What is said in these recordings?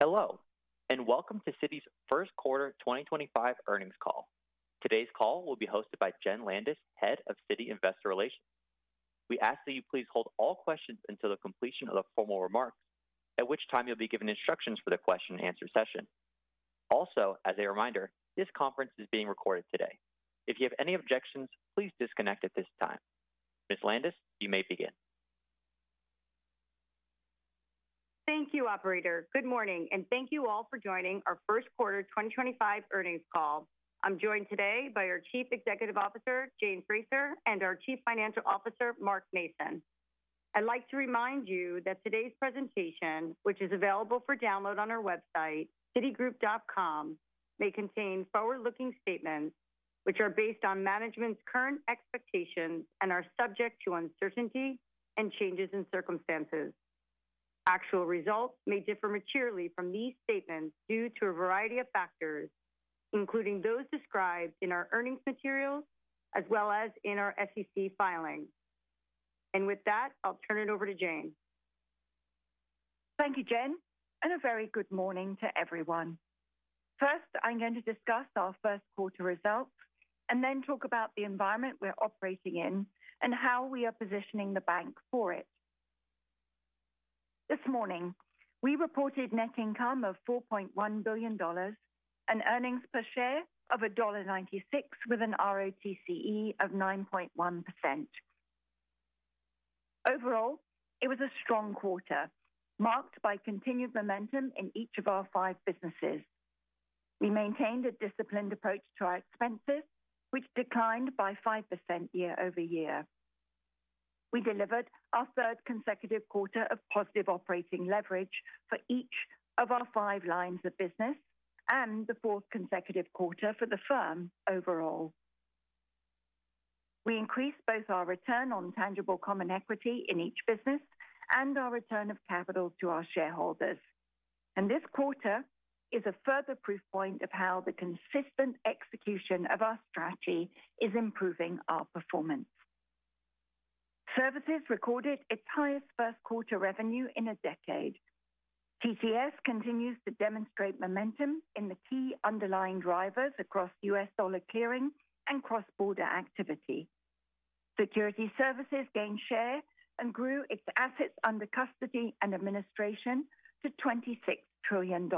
Hello, and welcome to Citi's first quarter 2025 earnings call. Today's call will be hosted by Jenn Landis, Head of Citi Investor Relations. We ask that you please hold all questions until the completion of the formal remarks, at which time you'll be given instructions for the question-and-answer session. Also, as a reminder, this conference is being recorded today. If you have any objections, please disconnect at this time. Ms. Landis, you may begin. Thank you, Operator. Good morning, and thank you all for joining our first quarter 2025 earnings call. I'm joined today by our Chief Executive Officer, Jane Fraser, and our Chief Financial Officer, Mark Mason. I'd like to remind you that today's presentation, which is available for download on our website, citigroup.com, may contain forward-looking statements which are based on management's current expectations and are subject to uncertainty and changes in circumstances. Actual results may differ materially from these statements due to a variety of factors, including those described in our earnings materials as well as in our SEC filings. With that, I'll turn it over to Jane. Thank you, Jenn, and a very good morning to everyone. First, I'm going to discuss our first quarter results and then talk about the environment we're operating in and how we are positioning the bank for it. This morning, we reported net income of $4.1 billion and earnings per share of $1.96, with an ROTCE of 9.1%. Overall, it was a strong quarter, marked by continued momentum in each of our five businesses. We maintained a disciplined approach to our expenses, which declined by 5% year-over-year. We delivered our third consecutive quarter of positive operating leverage for each of our five lines of business and the fourth consecutive quarter for the firm overall. We increased both our return on tangible common equity in each business and our return of capital to our shareholders. This quarter is a further proof point of how the consistent execution of our strategy is improving our performance. Services recorded its highest first quarter revenue in a decade. TTS continues to demonstrate momentum in the key underlying drivers across US dollar clearing and cross-border activity. Security services gained share and grew its assets under custody and administration to $26 trillion.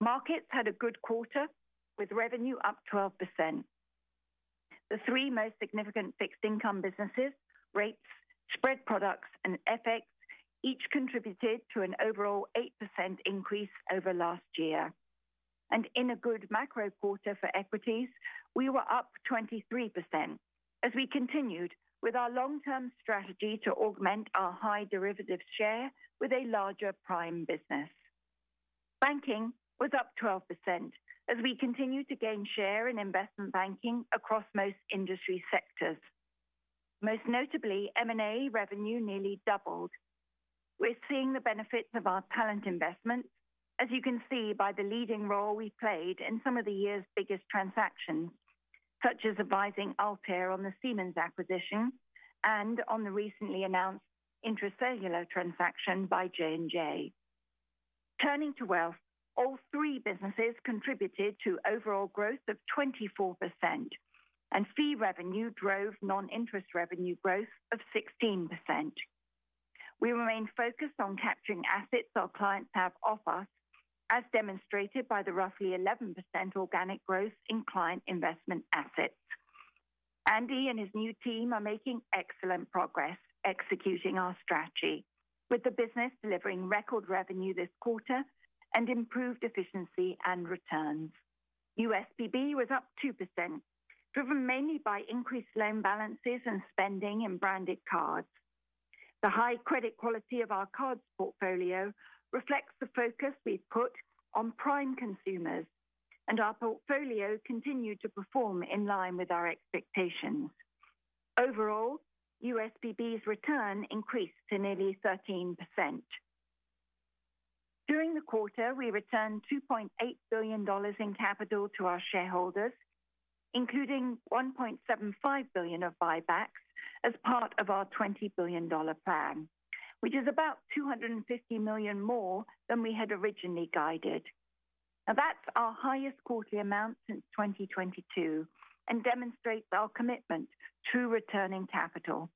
Markets had a good quarter, with revenue up 12%. The three most significant fixed income businesses, REITs, spread products, and FX, each contributed to an overall 8% increase over last year. In a good macro quarter for equities, we were up 23% as we continued with our long-term strategy to augment our high derivatives share with a larger prime business. Banking was up 12% as we continue to gain share in investment banking across most industry sectors. Most notably, M&A revenue nearly doubled. We're seeing the benefits of our talent investments, as you can see by the leading role we played in some of the year's biggest transactions, such as advising Altair on the Siemens acquisition and on the recently announced intrasector transaction by J&J. Turning to wealth, all three businesses contributed to overall growth of 24%, and fee revenue drove non-interest revenue growth of 16%. We remain focused on capturing assets our clients have off us, as demonstrated by the roughly 11% organic growth in client investment assets. Andy and his new team are making excellent progress executing our strategy, with the business delivering record revenue this quarter and improved efficiency and returns. USPB was up 2%, driven mainly by increased loan balances and spending in branded cards. The high credit quality of our cards portfolio reflects the focus we've put on prime consumers, and our portfolio continued to perform in line with our expectations. Overall, USPB's return increased to nearly 13%. During the quarter, we returned $2.8 billion in capital to our shareholders, including $1.75 billion of buybacks as part of our $20 billion plan, which is about $250 million more than we had originally guided. Now, that's our highest quarterly amount since 2022 and demonstrates our commitment to returning capital.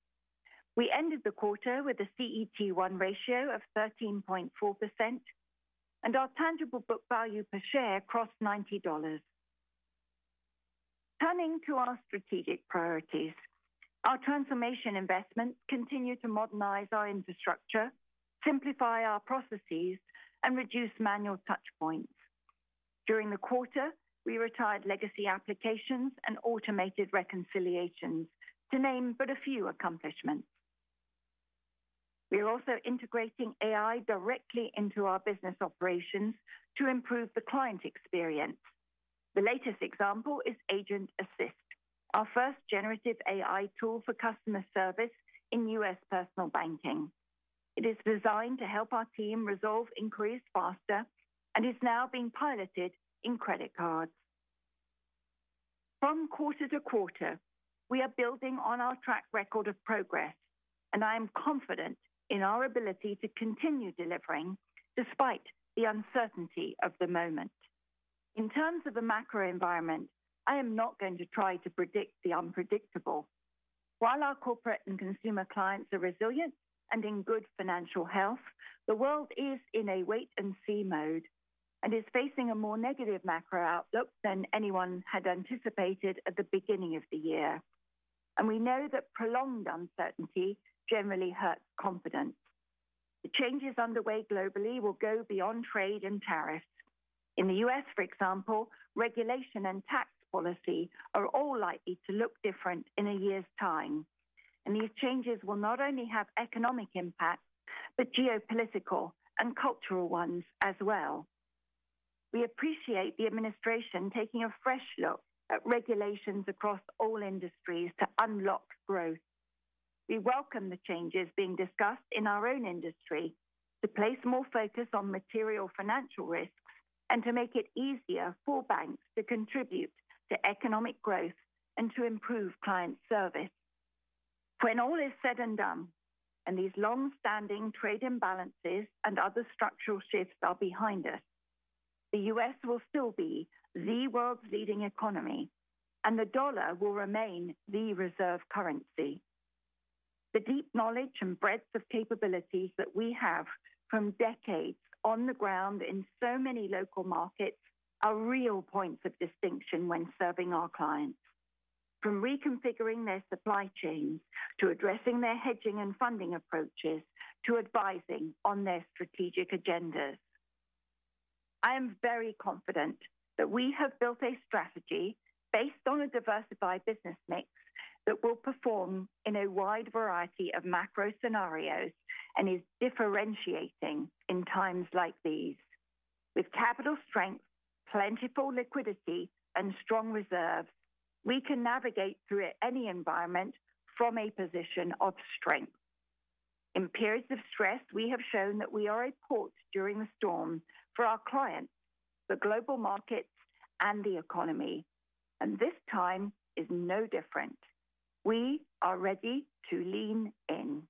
We ended the quarter with a CET1 ratio of 13.4%, and our tangible book value per share crossed $90. Turning to our strategic priorities, our transformation investments continue to modernize our infrastructure, simplify our processes, and reduce manual touchpoints. During the quarter, we retired legacy applications and automated reconciliations, to name but a few accomplishments. We are also integrating AI directly into our business operations to improve the client experience. The latest example is Agent Assist, our first generative AI tool for customer service in US Personal Banking. It is designed to help our team resolve inquiries faster and is now being piloted in credit cards. From quarter to quarter, we are building on our track record of progress, and I am confident in our ability to continue delivering despite the uncertainty of the moment. In terms of the macro environment, I am not going to try to predict the unpredictable. While our corporate and consumer clients are resilient and in good financial health, the world is in a wait-and-see mode and is facing a more negative macro outlook than anyone had anticipated at the beginning of the year. We know that prolonged uncertainty generally hurts confidence. The changes underway globally will go beyond trade and tariffs. In the U.S., for example, regulation and tax policy are all likely to look different in a year's time. These changes will not only have economic impacts but geopolitical and cultural ones as well. We appreciate the administration taking a fresh look at regulations across all industries to unlock growth. We welcome the changes being discussed in our own industry to place more focus on material financial risks and to make it easier for banks to contribute to economic growth and to improve client service. When all is said and done and these long-standing trade imbalances and other structural shifts are behind us, the U.S. will still be the world's leading economy, and the dollar will remain the reserve currency. The deep knowledge and breadth of capabilities that we have from decades on the ground in so many local markets are real points of distinction when serving our clients, from reconfiguring their supply chains to addressing their hedging and funding approaches to advising on their strategic agendas. I am very confident that we have built a strategy based on a diversified business mix that will perform in a wide variety of macro scenarios and is differentiating in times like these. With capital strength, plentiful liquidity, and strong reserves, we can navigate through any environment from a position of strength. In periods of stress, we have shown that we are a port during the storm for our clients, the global markets, and the economy. This time is no different. We are ready to lean in.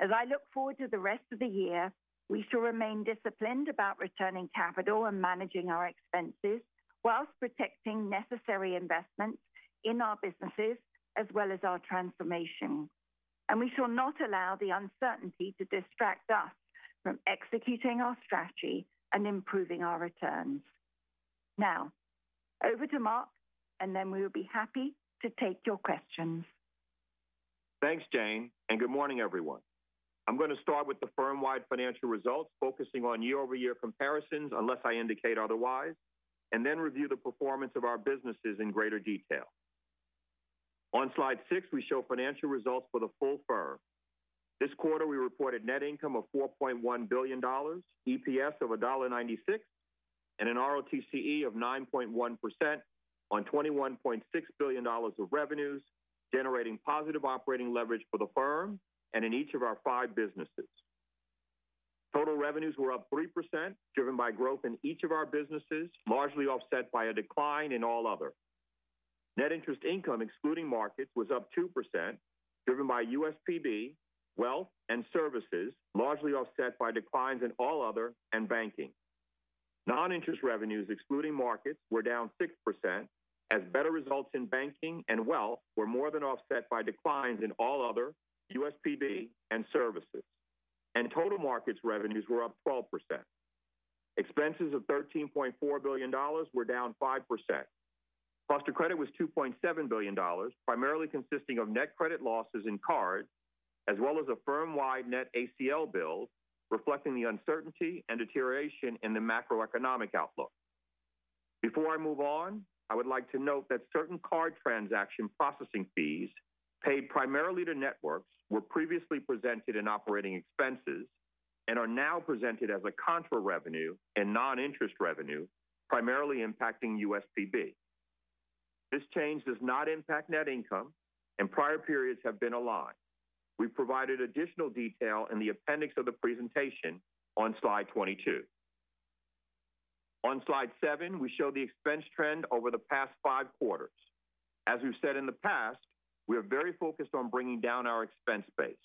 As I look forward to the rest of the year, we shall remain disciplined about returning capital and managing our expenses whilst protecting necessary investments in our businesses as well as our transformation. We shall not allow the uncertainty to distract us from executing our strategy and improving our returns. Now, over to Mark, and then we will be happy to take your questions. Thanks, Jane, and good morning, everyone. I'm going to start with the firm-wide financial results, focusing on year-over-year comparisons unless I indicate otherwise, and then review the performance of our businesses in greater detail. On slide six, we show financial results for the full firm. This quarter, we reported net income of $4.1 billion, EPS of $1.96, and an ROTCE of 9.1% on $21.6 billion of revenues, generating positive operating leverage for the firm and in each of our five businesses. Total revenues were up 3%, driven by growth in each of our businesses, largely offset by a decline in all other. Net interest income, excluding markets, was up 2%, driven by USPB, Wealth, and Services, largely offset by declines in all other and banking. Non-interest revenues, excluding markets, were down 6%, as better results in banking and wealth were more than offset by declines in all other, USPB, and Services. Total markets revenues were up 12%. Expenses of $13.4 billion were down 5%. Cluster credit was $2.7 billion, primarily consisting of net credit losses in cards, as well as a firm-wide net ACL bill, reflecting the uncertainty and deterioration in the macroeconomic outlook. Before I move on, I would like to note that certain card transaction processing fees paid primarily to networks were previously presented in operating expenses and are now presented as a contra revenue and non-interest revenue, primarily impacting USPB. This change does not impact net income, and prior periods have been aligned. We've provided additional detail in the appendix of the presentation on Slide 22. On slide seven, we show the expense trend over the past five quarters. As we've said in the past, we are very focused on bringing down our expense base.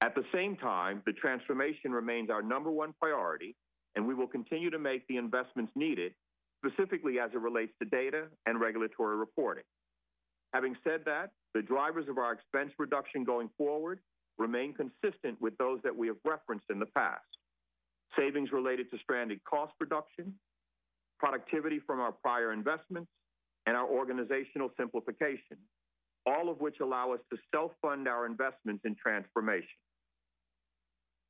At the same time, the transformation remains our number one priority, and we will continue to make the investments needed, specifically as it relates to data and regulatory reporting. Having said that, the drivers of our expense reduction going forward remain consistent with those that we have referenced in the past: savings related to stranded cost reduction, productivity from our prior investments, and our organizational simplification, all of which allow us to self-fund our investments in transformation.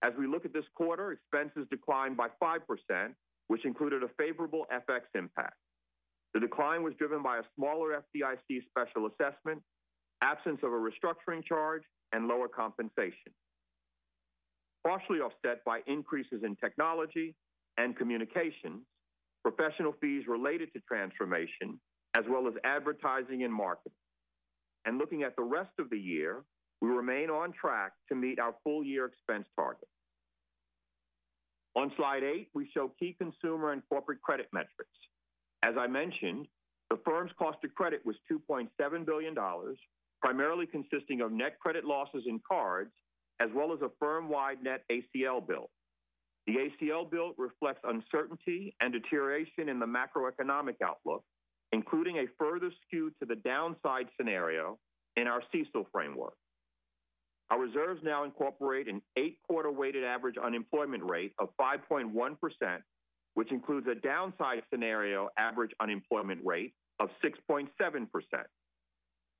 As we look at this quarter, expenses declined by 5%, which included a favorable FX impact. The decline was driven by a smaller FDIC special assessment, absence of a restructuring charge, and lower compensation. Partially offset by increases in technology and communications, professional fees related to transformation, as well as advertising and marketing. Looking at the rest of the year, we remain on track to meet our full-year expense target. On Slide 8, we show key consumer and corporate credit metrics. As I mentioned, the firm's cost of credit was $2.7 billion, primarily consisting of net credit losses in cards, as well as a firm-wide net ACL bill. The ACL bill reflects uncertainty and deterioration in the macroeconomic outlook, including a further skew to the downside scenario in our CESO framework. Our reserves now incorporate an eight-quarter-weighted average unemployment rate of 5.1%, which includes a downside scenario average unemployment rate of 6.7%.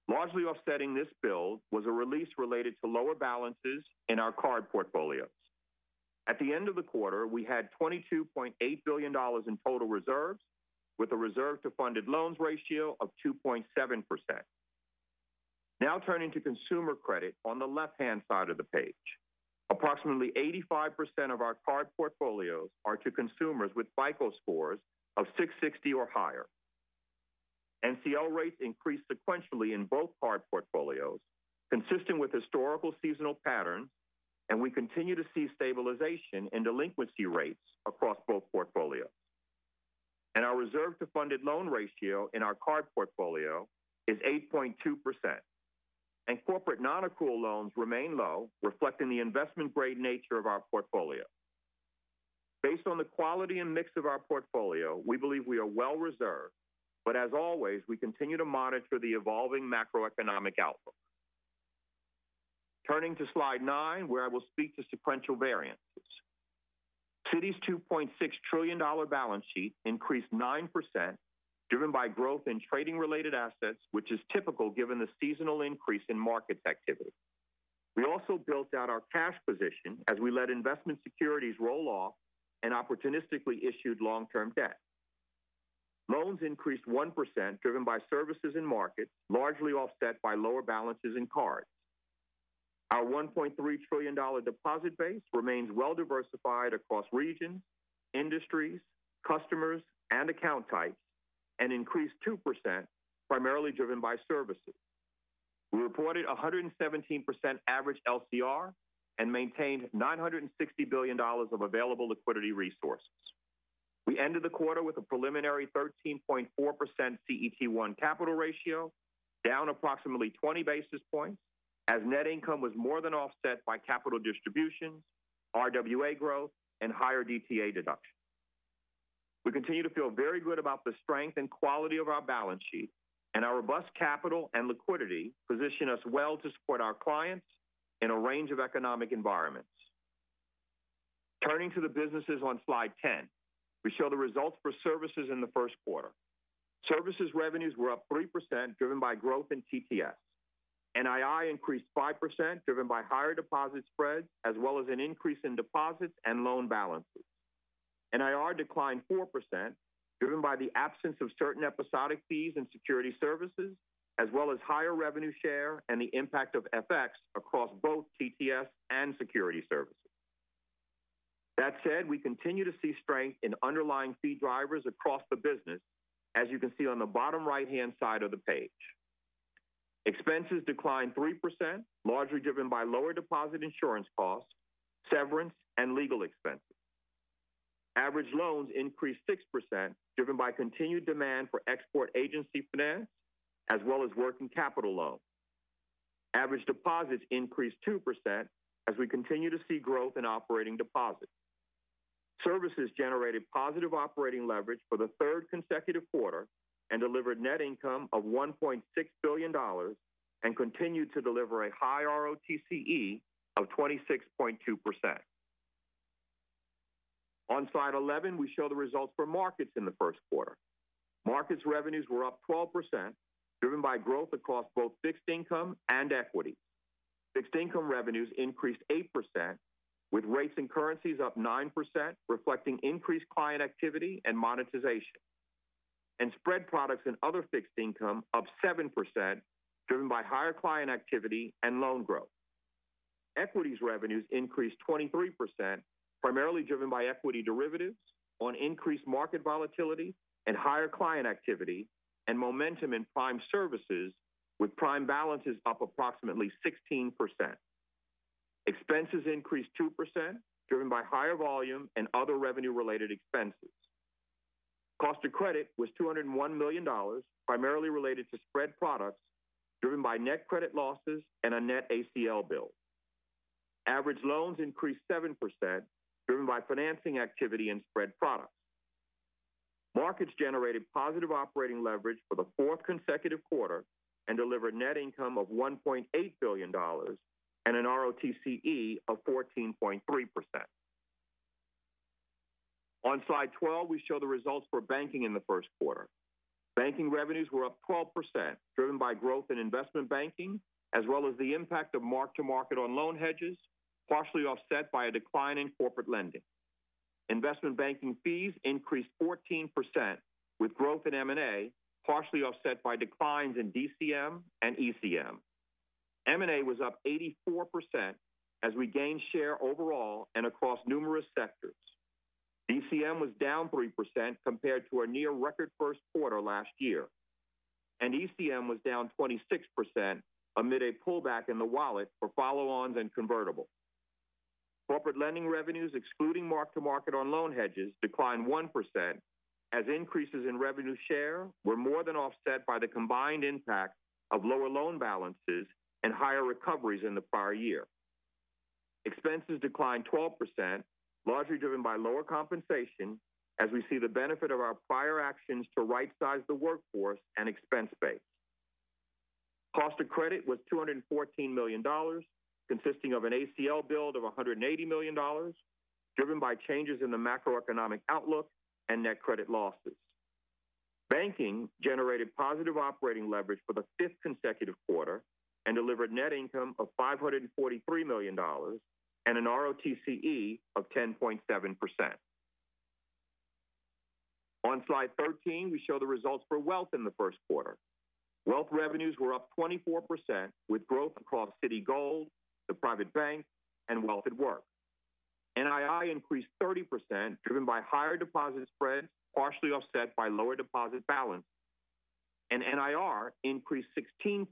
Largely offsetting this bill was a release related to lower balances in our card portfolios. At the end of the quarter, we had $22.8 billion in total reserves, with a reserve-to-funded loans ratio of 2.7%. Now turning to consumer credit on the left-hand side of the page, approximately 85% of our card portfolios are to consumers with FICO scores of 660 or higher. NCO rates increased sequentially in both card portfolios, consistent with historical seasonal patterns, and we continue to see stabilization in delinquency rates across both portfolios. Our reserve-to-funded loan ratio in our card portfolio is 8.2%. Corporate non-accrual loans remain low, reflecting the investment-grade nature of our portfolio. Based on the quality and mix of our portfolio, we believe we are well reserved, but as always, we continue to monitor the evolving macroeconomic outlook. Turning to slide nine, where I will speak to sequential variances. Citi's $2.6 trillion balance sheet increased 9%, driven by growth in trading-related assets, which is typical given the seasonal increase in market activity. We also built out our cash position as we let investment securities roll off and opportunistically issued long-term debt. Loans increased 1%, driven by services and markets, largely offset by lower balances in cards. Our $1.3 trillion deposit base remains well diversified across regions, industries, customers, and account types, and increased 2%, primarily driven by services. We reported 117% average LCR and maintained $960 billion of available liquidity resources. We ended the quarter with a preliminary 13.4% CET1 capital ratio, down approximately 20 basis points, as net income was more than offset by capital distributions, RWA growth, and higher DTA deduction. We continue to feel very good about the strength and quality of our balance sheet, and our robust capital and liquidity position us well to support our clients in a range of economic environments. Turning to the businesses on Slide 10, we show the results for services in the first quarter. Services revenues were up 3%, driven by growth in TTS. NII increased 5%, driven by higher deposit spreads, as well as an increase in deposits and loan balances. NIR declined 4%, driven by the absence of certain episodic fees and security services, as well as higher revenue share and the impact of FX across both TTS and security services. That said, we continue to see strength in underlying fee drivers across the business, as you can see on the bottom right-hand side of the page. Expenses declined 3%, largely driven by lower deposit insurance costs, severance, and legal expenses. Average loans increased 6%, driven by continued demand for export agency finance, as well as working capital loans. Average deposits increased 2%, as we continue to see growth in operating deposits. Services generated positive operating leverage for the third consecutive quarter and delivered net income of $1.6 billion and continued to deliver a high ROTCE of 26.2%. On Slide 11, we show the results for markets in the first quarter. Markets revenues were up 12%, driven by growth across both fixed income and equity. Fixed income revenues increased 8%, with rates and currencies up 9%, reflecting increased client activity and monetization. Spread products and other fixed income up 7%, driven by higher client activity and loan growth. Equities revenues increased 23%, primarily driven by equity derivatives on increased market volatility and higher client activity and momentum in prime services, with prime balances up approximately 16%. Expenses increased 2%, driven by higher volume and other revenue-related expenses. Cost of credit was $201 million, primarily related to spread products, driven by net credit losses and a net ACL bill. Average loans increased 7%, driven by financing activity and spread products. Markets generated positive operating leverage for the fourth consecutive quarter and delivered net income of $1.8 billion and an ROTCE of 14.3%. On Slide 12, we show the results for banking in the first quarter. Banking revenues were up 12%, driven by growth in investment banking, as well as the impact of mark-to-market on loan hedges, partially offset by a decline in corporate lending. Investment banking fees increased 14%, with growth in M&A, partially offset by declines in DCM and ECM. M&A was up 84% as we gained share overall and across numerous sectors. DCM was down 3% compared to our near-record first quarter last year. ECM was down 26% amid a pullback in the wallet for follow-ons and convertibles. Corporate lending revenues, excluding mark-to-market on loan hedges, declined 1%, as increases in revenue share were more than offset by the combined impact of lower loan balances and higher recoveries in the prior year. Expenses declined 12%, largely driven by lower compensation, as we see the benefit of our prior actions to right-size the workforce and expense base. Cost of credit was $214 million, consisting of an ACL bill of $180 million, driven by changes in the macroeconomic outlook and net credit losses. Banking generated positive operating leverage for the fifth consecutive quarter and delivered net income of $543 million and an ROTCE of 10.7%. On slide 13, we show the results for wealth in the first quarter. Wealth revenues were up 24%, with growth across Citi Gold, the private bank, and Wealth at Work. NII increased 30%, driven by higher deposit spreads, partially offset by lower deposit balances. NIR increased 16%,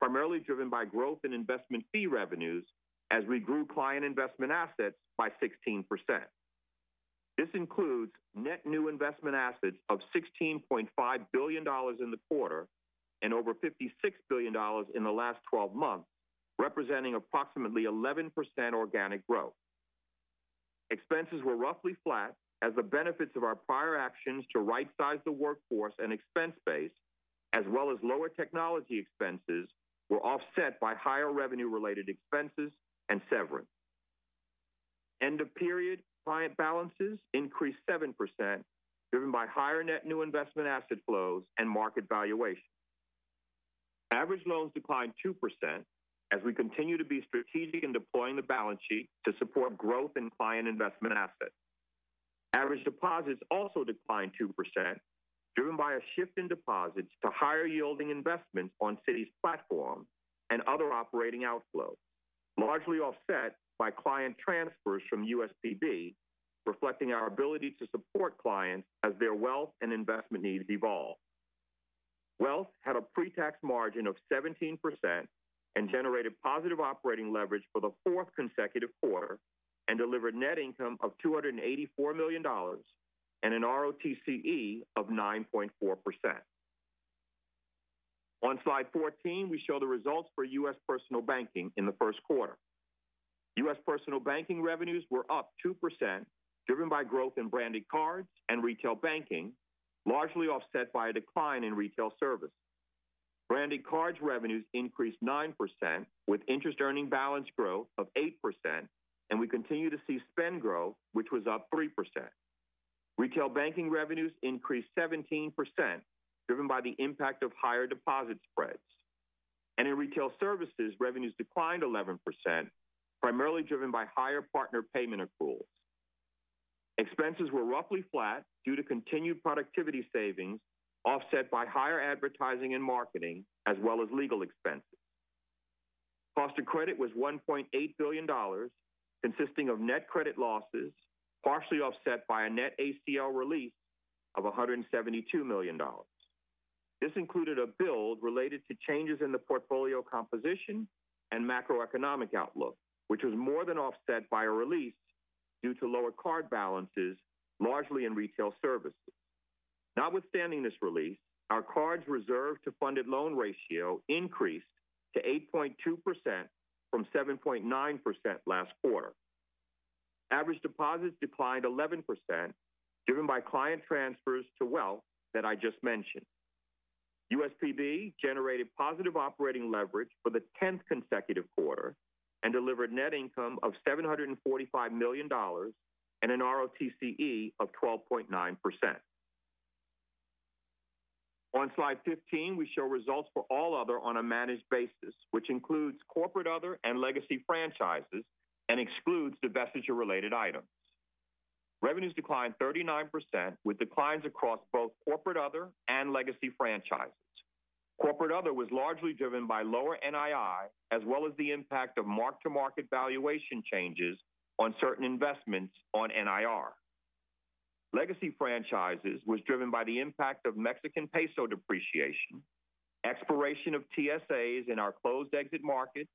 primarily driven by growth in investment fee revenues, as we grew client investment assets by 16%. This includes net new investment assets of $16.5 billion in the quarter and over $56 billion in the last 12 months, representing approximately 11% organic growth. Expenses were roughly flat, as the benefits of our prior actions to right-size the workforce and expense base, as well as lower technology expenses, were offset by higher revenue-related expenses and severance. End of period, client balances increased 7%, driven by higher net new investment asset flows and market valuation. Average loans declined 2%, as we continue to be strategic in deploying the balance sheet to support growth in client investment assets. Average deposits also declined 2%, driven by a shift in deposits to higher-yielding investments on Citi's platform and other operating outflows, largely offset by client transfers from USPB, reflecting our ability to support clients as their wealth and investment needs evolve. Wealth had a pre-tax margin of 17% and generated positive operating leverage for the fourth consecutive quarter and delivered net income of $284 million and an ROTCE of 9.4%. On slide 14, we show the results for U.S. personal banking in the first quarter. U.S. personal banking revenues were up 2%, driven by growth in branded cards and retail banking, largely offset by a decline in retail service. Branded cards revenues increased 9%, with interest-earning balance growth of 8%, and we continue to see spend growth, which was up 3%. Retail banking revenues increased 17%, driven by the impact of higher deposit spreads. In retail services, revenues declined 11%, primarily driven by higher partner payment accruals. Expenses were roughly flat due to continued productivity savings, offset by higher advertising and marketing, as well as legal expenses. Cost of credit was $1.8 billion, consisting of net credit losses, partially offset by a net ACL release of $172 million. This included a bill related to changes in the portfolio composition and macroeconomic outlook, which was more than offset by a release due to lower card balances, largely in retail services. Notwithstanding this release, our cards reserved to funded loan ratio increased to 8.2% from 7.9% last quarter. Average deposits declined 11%, driven by client transfers to wealth that I just mentioned. USPB generated positive operating leverage for the tenth consecutive quarter and delivered net income of $745 million and an ROTCE of 12.9%. On slide 15, we show results for all other on a managed basis, which includes corporate other and legacy franchises and excludes divestiture-related items. Revenues declined 39%, with declines across both corporate other and legacy franchises. Corporate other was largely driven by lower NII, as well as the impact of mark-to-market valuation changes on certain investments on NIR. Legacy franchises were driven by the impact of Mexican Peso depreciation, expiration of TSAs in our closed exit markets,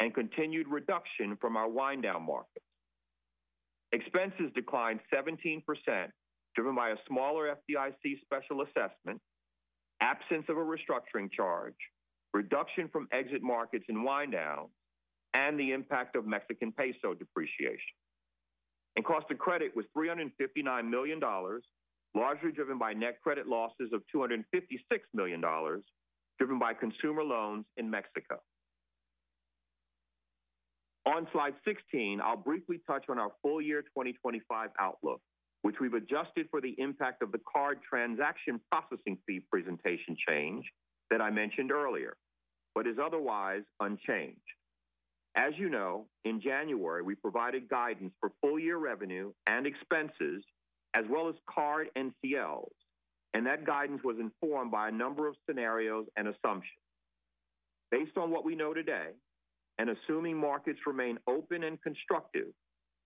and continued reduction from our windown market. Expenses declined 17%, driven by a smaller FDIC special assessment, absence of a restructuring charge, reduction from exit markets and windowns, and the impact of Mexican Peso depreciation. Cost of credit was $359 million, largely driven by net credit losses of $256 million, driven by consumer loans in Mexico. On Slide 16, I'll briefly touch on our full year 2025 outlook, which we've adjusted for the impact of the card transaction processing fee presentation change that I mentioned earlier, but is otherwise unchanged. As you know, in January, we provided guidance for full year revenue and expenses, as well as card NCLs, and that guidance was informed by a number of scenarios and assumptions. Based on what we know today, and assuming markets remain open and constructive,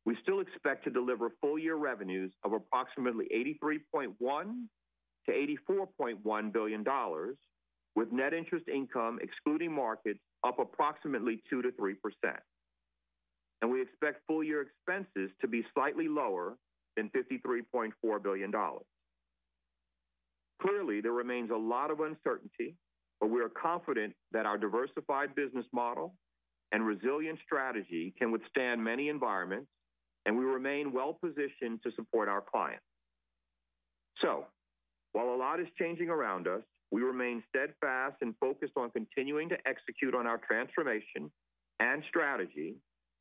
we still expect to deliver full year revenues of approximately $83.1 billion-$84.1 billion, with net interest income, excluding markets, up approximately 2%-3%. We expect full year expenses to be slightly lower than $53.4 billion. Clearly, there remains a lot of uncertainty, but we are confident that our diversified business model and resilient strategy can withstand many environments, and we remain well-positioned to support our clients. While a lot is changing around us, we remain steadfast and focused on continuing to execute on our transformation and strategy,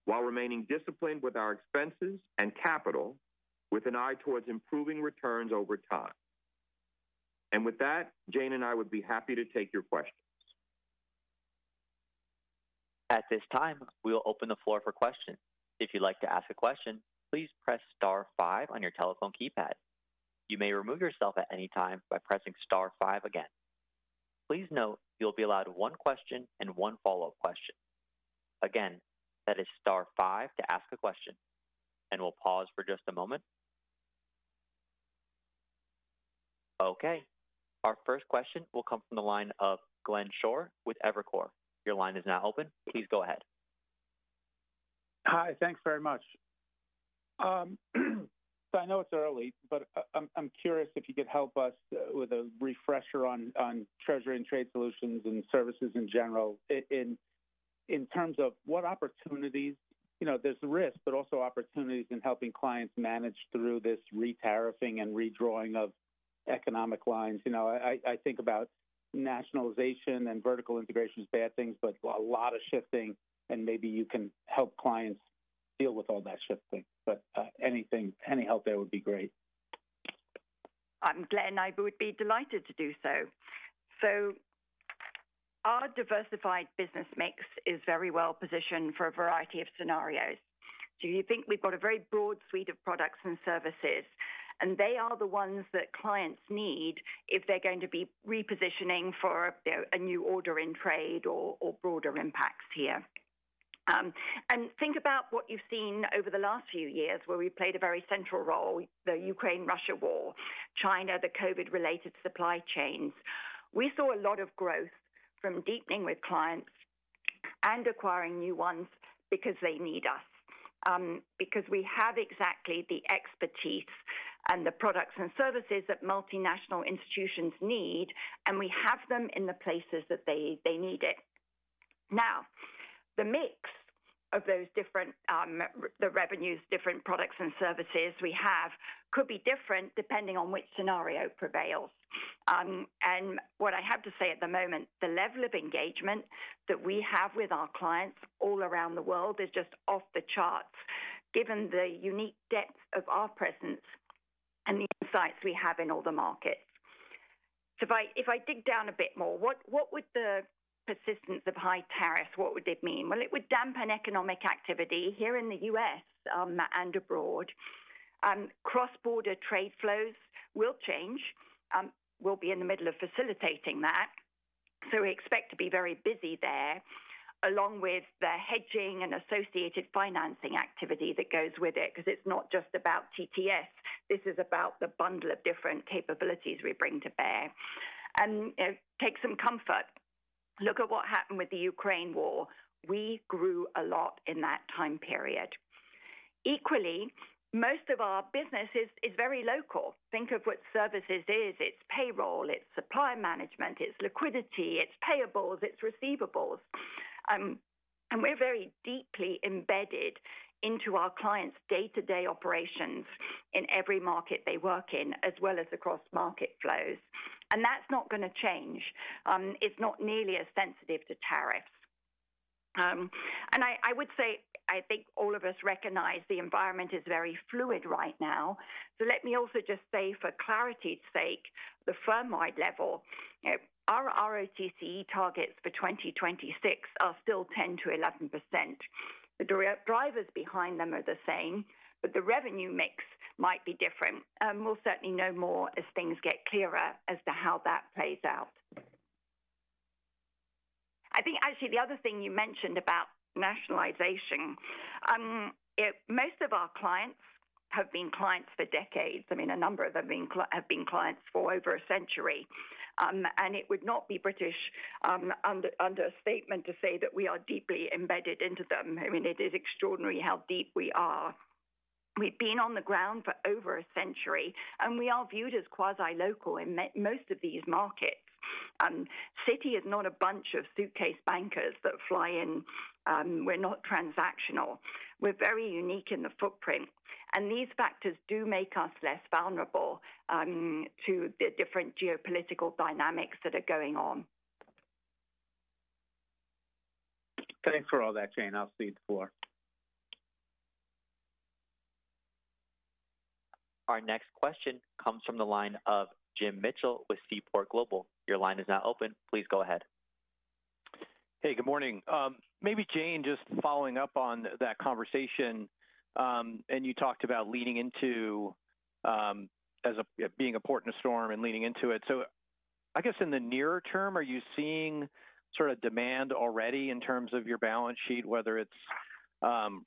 while remaining disciplined with our expenses and capital, with an eye towards improving returns over time. With that, Jane and I would be happy to take your questions. At this time, we'll open the floor for questions. If you'd like to ask a question, please press star five on your telephone keypad. You may remove yourself at any time by pressing star five again. Please note you'll be allowed one question and one follow-up question. Again, that is star five to ask a question. We'll pause for just a moment. Okay. Our first question will come from the line of Glenn Schorr with Evercore. Your line is now open. Please go ahead. Hi, thanks very much. I know it's early, but I'm curious if you could help us with a refresher on Treasury and Trade Solutions and services in general, in terms of what opportunities—there's risk, but also opportunities in helping clients manage through this retariffing and redrawing of economic lines. I think about nationalization and vertical integration as bad things, but a lot of shifting, and maybe you can help clients deal with all that shifting. Any help there would be great. I'm Glenn. I would be delighted to do so. Our diversified business mix is very well-positioned for a variety of scenarios. You think we've got a very broad suite of products and services, and they are the ones that clients need if they're going to be repositioning for a new order in trade or broader impacts here. Think about what you've seen over the last few years, where we played a very central role: the Ukraine-Russia war, China, the COVID-related supply chains. We saw a lot of growth from deepening with clients and acquiring new ones because they need us, because we have exactly the expertise and the products and services that multinational institutions need, and we have them in the places that they need it. Now, the mix of those different revenues, different products and services we have could be different depending on which scenario prevails. What I have to say at the moment, the level of engagement that we have with our clients all around the world is just off the charts, given the unique depth of our presence and the insights we have in all the markets. If I dig down a bit more, what would the persistence of high tariffs, what would it mean? It would dampen economic activity here in the U.S. and abroad. Cross-border trade flows will change. We'll be in the middle of facilitating that. We expect to be very busy there, along with the hedging and associated financing activity that goes with it, because it's not just about TTS. This is about the bundle of different capabilities we bring to bear. Take some comfort. Look at what happened with the Ukraine war. We grew a lot in that time period. Equally, most of our business is very local. Think of what services is. It's payroll, it's supply management, it's liquidity, it's payables, it's receivables. We're very deeply embedded into our clients' day-to-day operations in every market they work in, as well as across market flows. That's not going to change. It's not nearly as sensitive to tariffs. I would say, I think all of us recognize the environment is very fluid right now. Let me also just say, for clarity's sake, at the firm-wide level, our ROTCE targets for 2026 are still 10%-11%. The drivers behind them are the same, but the revenue mix might be different. We'll certainly know more as things get clearer as to how that plays out. I think, actually, the other thing you mentioned about nationalization, most of our clients have been clients for decades. I mean, a number of them have been clients for over a century. It would not be British understatement to say that we are deeply embedded into them. I mean, it is extraordinary how deep we are. We have been on the ground for over a century, and we are viewed as quasi-local in most of these markets. Citi is not a bunch of suitcase bankers that fly in. We are not transactional. We are very unique in the footprint. These factors do make us less vulnerable to the different geopolitical dynamics that are going on. Thanks for all that, Jane. I'll see you at the floor. Our next question comes from the line of Jim Mitchell with Seaport Global. Your line is now open. Please go ahead. Hey, good morning. Maybe Jane, just following up on that conversation, and you talked about leaning into being a port in a storm and leaning into it. I guess in the near term, are you seeing sort of demand already in terms of your balance sheet, whether it's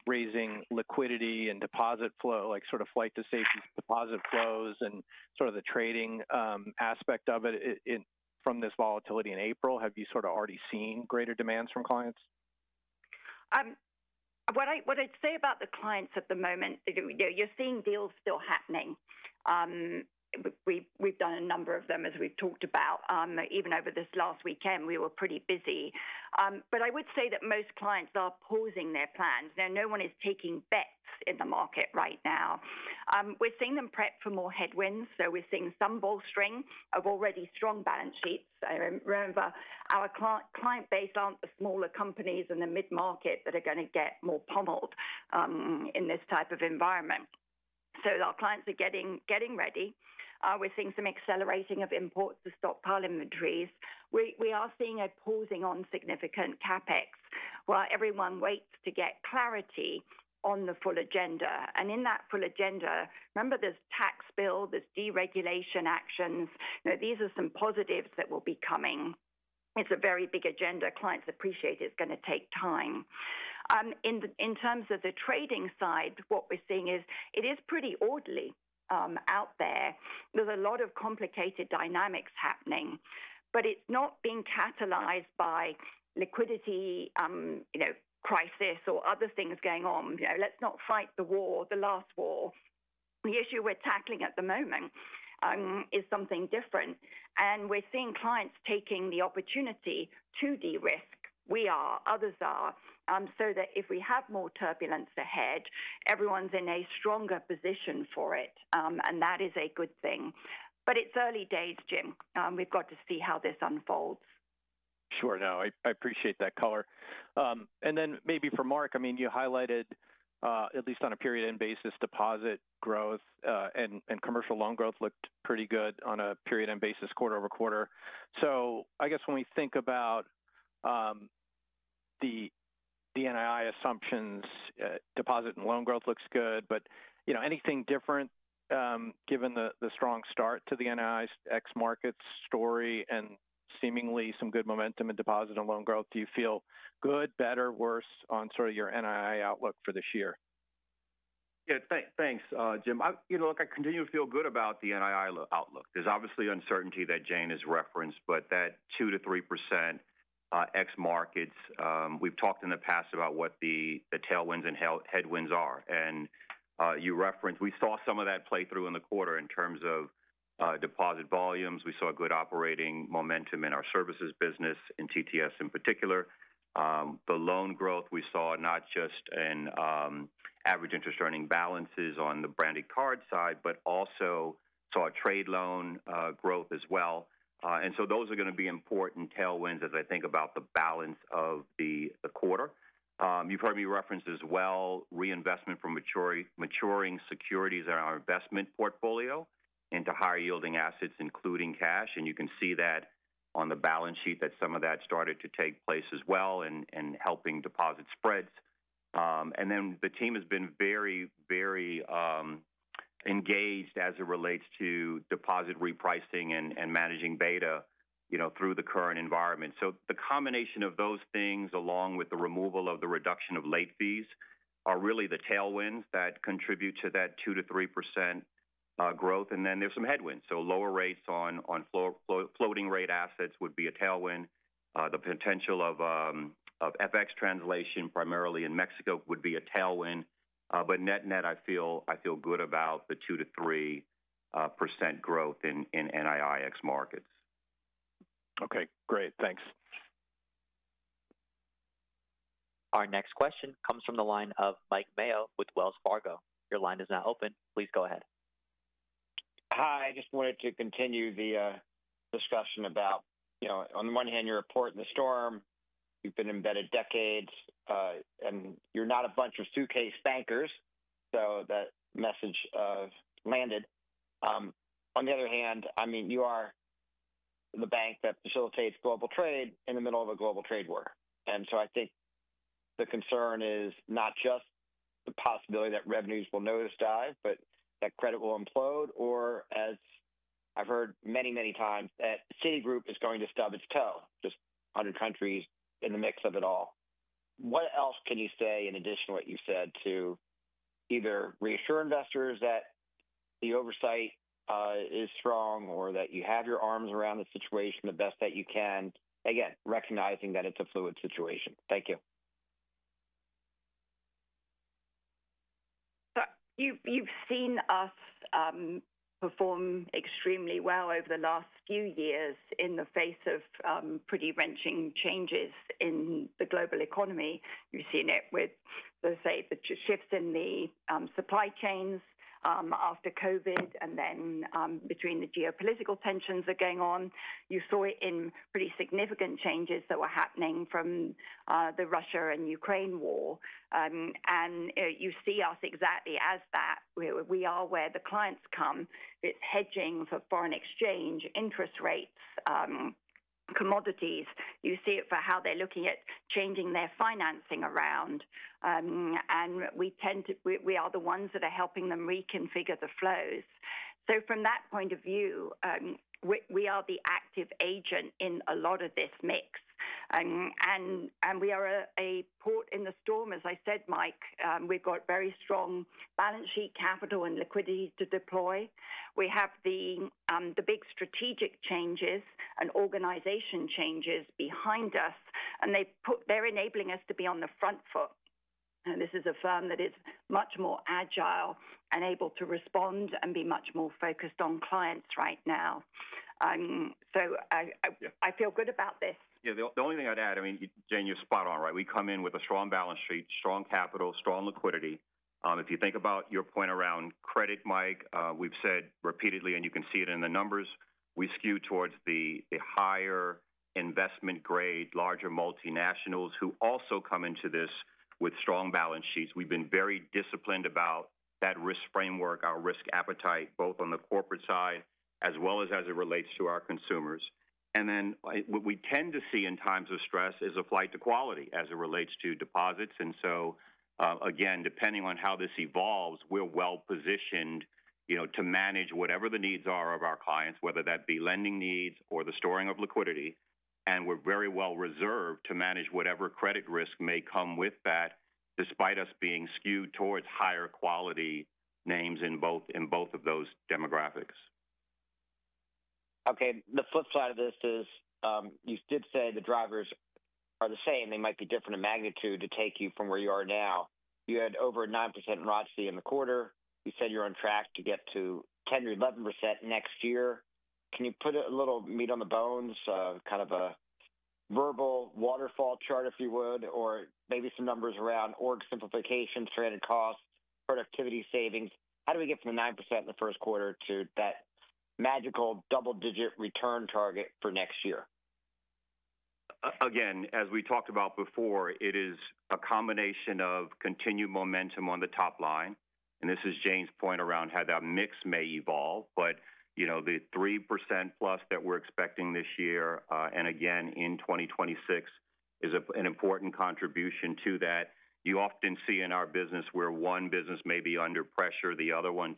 raising liquidity and deposit flow, like sort of flight-to-safety deposit flows and sort of the trading aspect of it from this volatility in April? Have you sort of already seen greater demands from clients? What I'd say about the clients at the moment, you're seeing deals still happening. We've done a number of them, as we've talked about. Even over this last weekend, we were pretty busy. I would say that most clients are pausing their plans. Now, no one is taking bets in the market right now. We're seeing them prep for more headwinds. We're seeing some bolstering of already strong balance sheets. Remember, our client base aren't the smaller companies in the mid-market that are going to get more pummeled in this type of environment. Our clients are getting ready. We're seeing some accelerating of imports to stockpile inventories. We are seeing a pausing on significant CapEx while everyone waits to get clarity on the full agenda. In that full agenda, remember, there's tax bill, there's deregulation actions. These are some positives that will be coming. It's a very big agenda. Clients appreciate it's going to take time. In terms of the trading side, what we're seeing is it is pretty orderly out there. There's a lot of complicated dynamics happening, but it's not being catalyzed by liquidity crisis or other things going on. Let's not fight the war, the last war. The issue we're tackling at the moment is something different. We're seeing clients taking the opportunity to de-risk. We are, others are, so that if we have more turbulence ahead, everyone's in a stronger position for it. That is a good thing. It's early days, Jim. We've got to see how this unfolds. Sure. No, I appreciate that color. I mean, you highlighted, at least on a period-end basis, deposit growth and commercial loan growth looked pretty good on a period-end basis, quarter over quarter. I guess when we think about the NII assumptions, deposit and loan growth looks good, but anything different, given the strong start to the NII's ex-markets story and seemingly some good momentum in deposit and loan growth, do you feel good, better, worse on sort of your NII outlook for this year? Yeah, thanks, Jim. Look, I continue to feel good about the NII outlook. There's obviously uncertainty that Jane has referenced, but that 2-3% ex-markets, we've talked in the past about what the tailwinds and headwinds are. You referenced, we saw some of that play through in the quarter in terms of deposit volumes. We saw good operating momentum in our services business, in TTS in particular. The loan growth we saw not just in average interest earning balances on the branded card side, but also saw trade loan growth as well. Those are going to be important tailwinds as I think about the balance of the quarter. You've heard me reference as well reinvestment from maturing securities in our investment portfolio into higher yielding assets, including cash. You can see that on the balance sheet that some of that started to take place as well in helping deposit spreads. The team has been very, very engaged as it relates to deposit repricing and managing beta through the current environment. The combination of those things, along with the removal of the reduction of late fees, are really the tailwinds that contribute to that 2%-3% growth. There are some headwinds. Lower rates on floating rate assets would be a tailwind. The potential of FX translation, primarily in Mexico, would be a tailwind. Net-net, I feel good about the 2%-3% growth in NII ex-markets. Okay. Great. Thanks. Our next question comes from the line of Mike Mayo with Wells Fargo. Your line is now open. Please go ahead. Hi. I just wanted to continue the discussion about, on the one hand, your report in the storm. You've been embedded decades, and you're not a bunch of suitcase bankers. That message landed. On the other hand, I mean, you are the bank that facilitates global trade in the middle of a global trade war. I think the concern is not just the possibility that revenues will notice dive, but that credit will implode, or, as I've heard many, many times, that Citigroup is going to stub its toe, just 100 countries in the mix of it all. What else can you say in addition to what you've said to either reassure investors that the oversight is strong or that you have your arms around the situation the best that you can, again, recognizing that it's a fluid situation? Thank you. You've seen us perform extremely well over the last few years in the face of pretty wrenching changes in the global economy. You've seen it with, let's say, the shifts in the supply chains after COVID and then between the geopolitical tensions that are going on. You saw it in pretty significant changes that were happening from the Russia and Ukraine war. You see us exactly as that. We are where the clients come. It's hedging for foreign exchange, interest rates, commodities. You see it for how they're looking at changing their financing around. We are the ones that are helping them reconfigure the flows. From that point of view, we are the active agent in a lot of this mix. We are a port in the storm, as I said, Mike. We've got very strong balance sheet capital and liquidity to deploy. We have the big strategic changes and organization changes behind us, and they're enabling us to be on the front foot. This is a firm that is much more agile and able to respond and be much more focused on clients right now. I feel good about this. Yeah. The only thing I'd add, I mean, Jane, you're spot on, right? We come in with a strong balance sheet, strong capital, strong liquidity. If you think about your point around credit, Mike, we've said repeatedly, and you can see it in the numbers, we skew towards the higher investment grade, larger multinationals who also come into this with strong balance sheets. We've been very disciplined about that risk framework, our risk appetite, both on the corporate side as well as as it relates to our consumers. What we tend to see in times of stress is a flight to quality as it relates to deposits. Again, depending on how this evolves, we're well-positioned to manage whatever the needs are of our clients, whether that be lending needs or the storing of liquidity. We are very well reserved to manage whatever credit risk may come with that, despite us being skewed towards higher quality names in both of those demographics. Okay. The flip side of this is you did say the drivers are the same. They might be different in magnitude to take you from where you are now. You had over 9% in ROTCE in the quarter. You said you're on track to get to 10%-11% next year. Can you put a little meat on the bones, kind of a verbal waterfall chart, if you would, or maybe some numbers around org simplification, stranded costs, productivity savings? How do we get from the 9% in the first quarter to that magical double-digit return target for next year? Again, as we talked about before, it is a combination of continued momentum on the top line. This is Jane's point around how that mix may evolve. The 3%+ that we're expecting this year and again in 2026 is an important contribution to that. You often see in our business where one business may be under pressure, the other one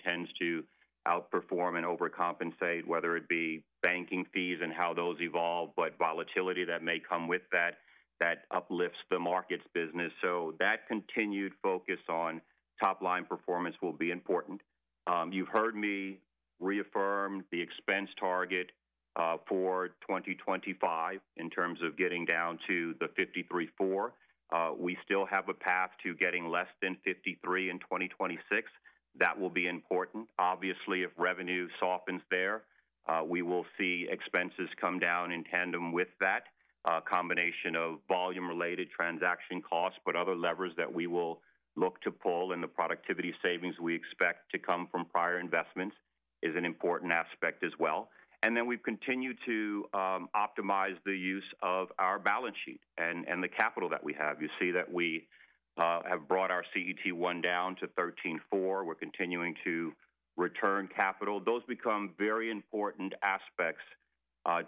tends to outperform and overcompensate, whether it be banking fees and how those evolve, or volatility that may come with that, that uplifts the Markets business. That continued focus on top-line performance will be important. You've heard me reaffirm the expense target for 2025 in terms of getting down to the 53.4. We still have a path to getting less than 53 in 2026. That will be important. Obviously, if revenue softens there, we will see expenses come down in tandem with that. A combination of volume-related transaction costs, but other levers that we will look to pull, and the productivity savings we expect to come from prior investments is an important aspect as well. Then we have continued to optimize the use of our balance sheet and the capital that we have. You see that we have brought our CET1 down to 13.4%. We are continuing to return capital. Those become very important aspects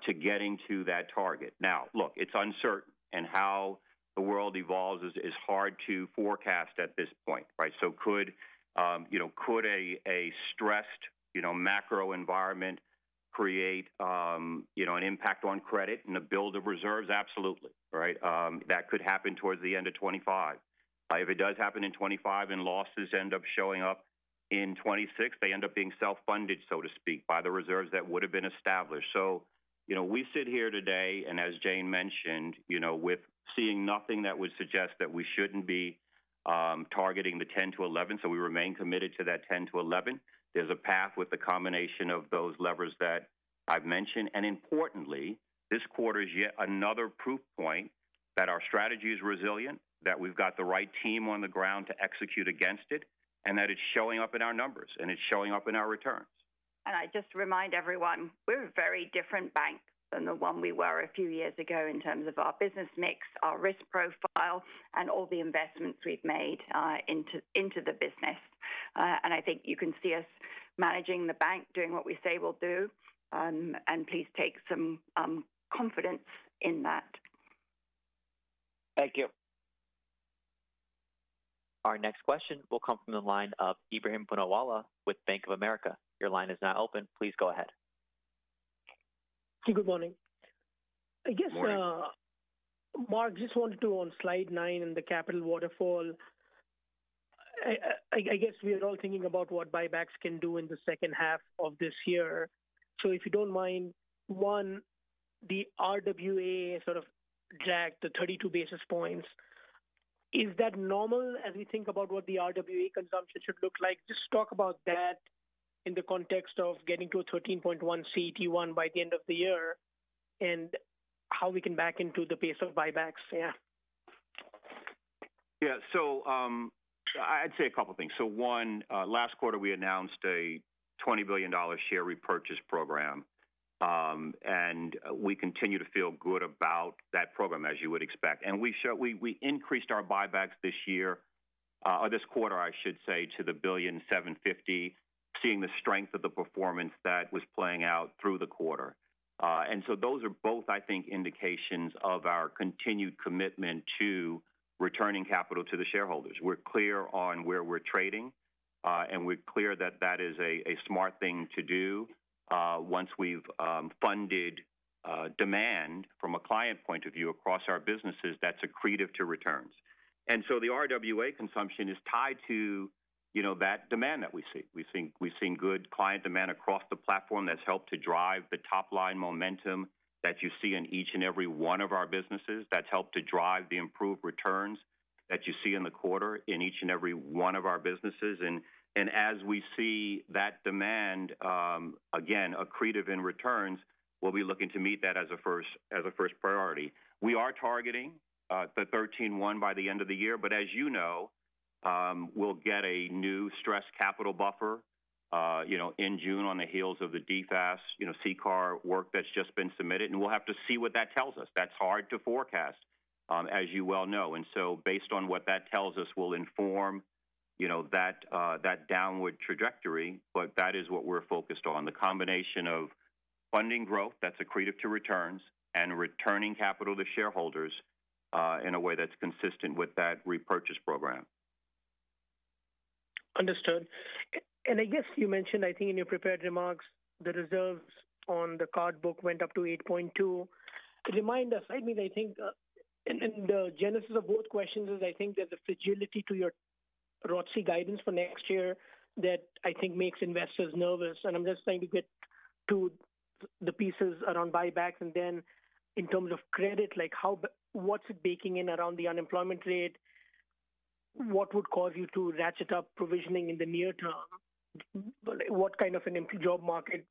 to getting to that target. Now, look, it is uncertain, and how the world evolves is hard to forecast at this point, right? Could a stressed macro environment create an impact on credit and a build of reserves? Absolutely, right? That could happen towards the end of 2025. If it does happen in 2025 and losses end up showing up in 2026, they end up being self-funded, so to speak, by the reserves that would have been established. We sit here today, and as Jane mentioned, with seeing nothing that would suggest that we shouldn't be targeting the 10-11. We remain committed to that 10%-11%. There's a path with the combination of those levers that I've mentioned. Importantly, this quarter is yet another proof point that our strategy is resilient, that we've got the right team on the ground to execute against it, and that it's showing up in our numbers, and it's showing up in our returns. I just remind everyone, we're a very different bank than the one we were a few years ago in terms of our business mix, our risk profile, and all the investments we've made into the business. I think you can see us managing the bank, doing what we say we'll do. Please take some confidence in that. Thank you. Our next question will come from the line of Ebrahim Poonawala with Bank of America. Your line is now open. Please go ahead. Good morning. I guess, Mark, just wanted to, on slide nine in the capital waterfall, I guess we are all thinking about what buybacks can do in the second half of this year. If you do not mind, one, the RWA sort of dragged the 32 basis points. Is that normal as we think about what the RWA consumption should look like? Just talk about that in the context of getting to a 13.1% CET1 by the end of the year and how we can back into the pace of buybacks, yeah. Yeah. I'd say a couple of things. One, last quarter, we announced a $20 billion share repurchase program, and we continue to feel good about that program, as you would expect. We increased our buybacks this year, or this quarter, I should say, to the $1.75 billion, seeing the strength of the performance that was playing out through the quarter. Those are both, I think, indications of our continued commitment to returning capital to the shareholders. We're clear on where we're trading, and we're clear that that is a smart thing to do. Once we've funded demand from a client point of view across our businesses, that's accretive to returns. The RWA consumption is tied to that demand that we see. We've seen good client demand across the platform that's helped to drive the top-line momentum that you see in each and every one of our businesses. That's helped to drive the improved returns that you see in the quarter in each and every one of our businesses. As we see that demand, again, accretive in returns, we'll be looking to meet that as a first priority. We are targeting the 13.1 by the end of the year, but as you know, we'll get a new stress capital buffer in June on the heels of the DFAS, CCAR work that's just been submitted. We'll have to see what that tells us. That's hard to forecast, as you well know. Based on what that tells us, we'll inform that downward trajectory, but that is what we're focused on, the combination of funding growth that's accretive to returns and returning capital to shareholders in a way that's consistent with that repurchase program. Understood. I guess you mentioned, I think, in your prepared remarks, the reserves on the card book went up to 8.2. Remind us, I mean, I think in the genesis of both questions is I think there's a fragility to your ROTCE guidance for next year that I think makes investors nervous. I'm just trying to get to the pieces around buybacks. In terms of credit, what's it baking in around the unemployment rate? What would cause you to ratchet up provisioning in the near term? What kind of a job market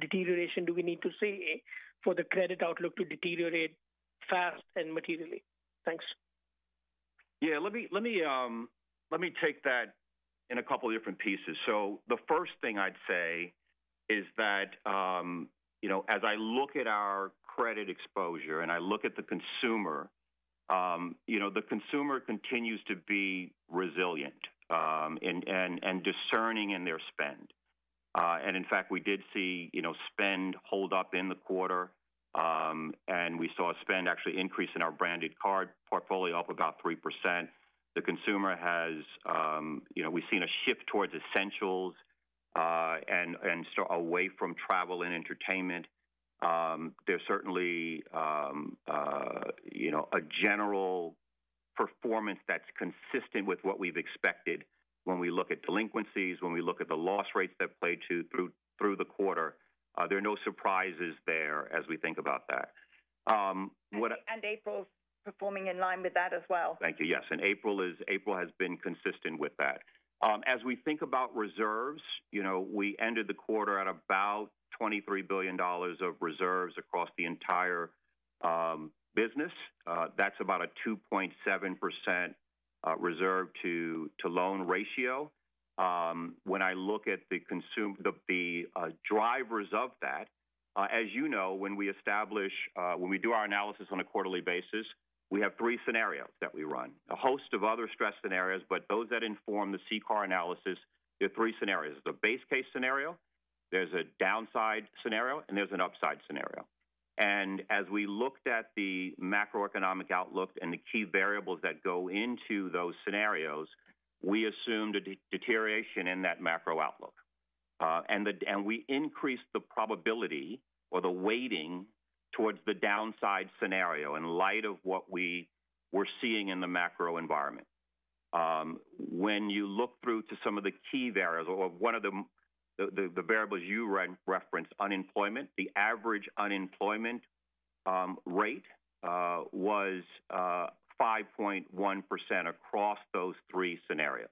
deterioration do we need to see for the credit outlook to deteriorate fast and materially? Thanks. Let me take that in a couple of different pieces. The first thing I'd say is that as I look at our credit exposure and I look at the consumer, the consumer continues to be resilient and discerning in their spend. In fact, we did see spend hold up in the quarter, and we saw spend actually increase in our branded card portfolio up about 3%. The consumer has, we've seen a shift towards essentials and away from travel and entertainment. There's certainly a general performance that's consistent with what we've expected when we look at delinquencies, when we look at the loss rates that played through the quarter. There are no surprises there as we think about that. April's performing in line with that as well. Thank you. Yes. April has been consistent with that. As we think about reserves, we ended the quarter at about $23 billion of reserves across the entire business. That is about a 2.7% reserve-to-loan ratio. When I look at the drivers of that, as you know, when we establish, when we do our analysis on a quarterly basis, we have three scenarios that we run, a host of other stress scenarios, but those that inform the CCAR analysis, there are three scenarios. There is a base case scenario, there is a downside scenario, and there is an upside scenario. As we looked at the macroeconomic outlook and the key variables that go into those scenarios, we assumed a deterioration in that macro outlook. We increased the probability or the weighting towards the downside scenario in light of what we were seeing in the macro environment. When you look through to some of the key variables or one of the variables you referenced, unemployment, the average unemployment rate was 5.1% across those three scenarios.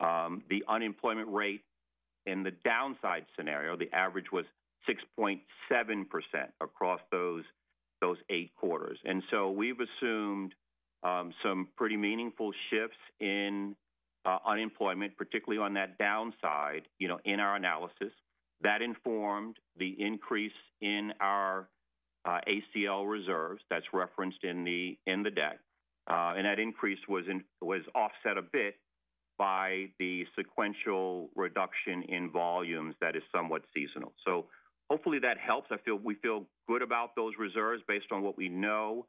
The unemployment rate in the downside scenario, the average was 6.7% across those eight quarters. We have assumed some pretty meaningful shifts in unemployment, particularly on that downside in our analysis. That informed the increase in our ACL reserves that is referenced in the deck. That increase was offset a bit by the sequential reduction in volumes that is somewhat seasonal. Hopefully that helps. I feel we feel good about those reserves based on what we know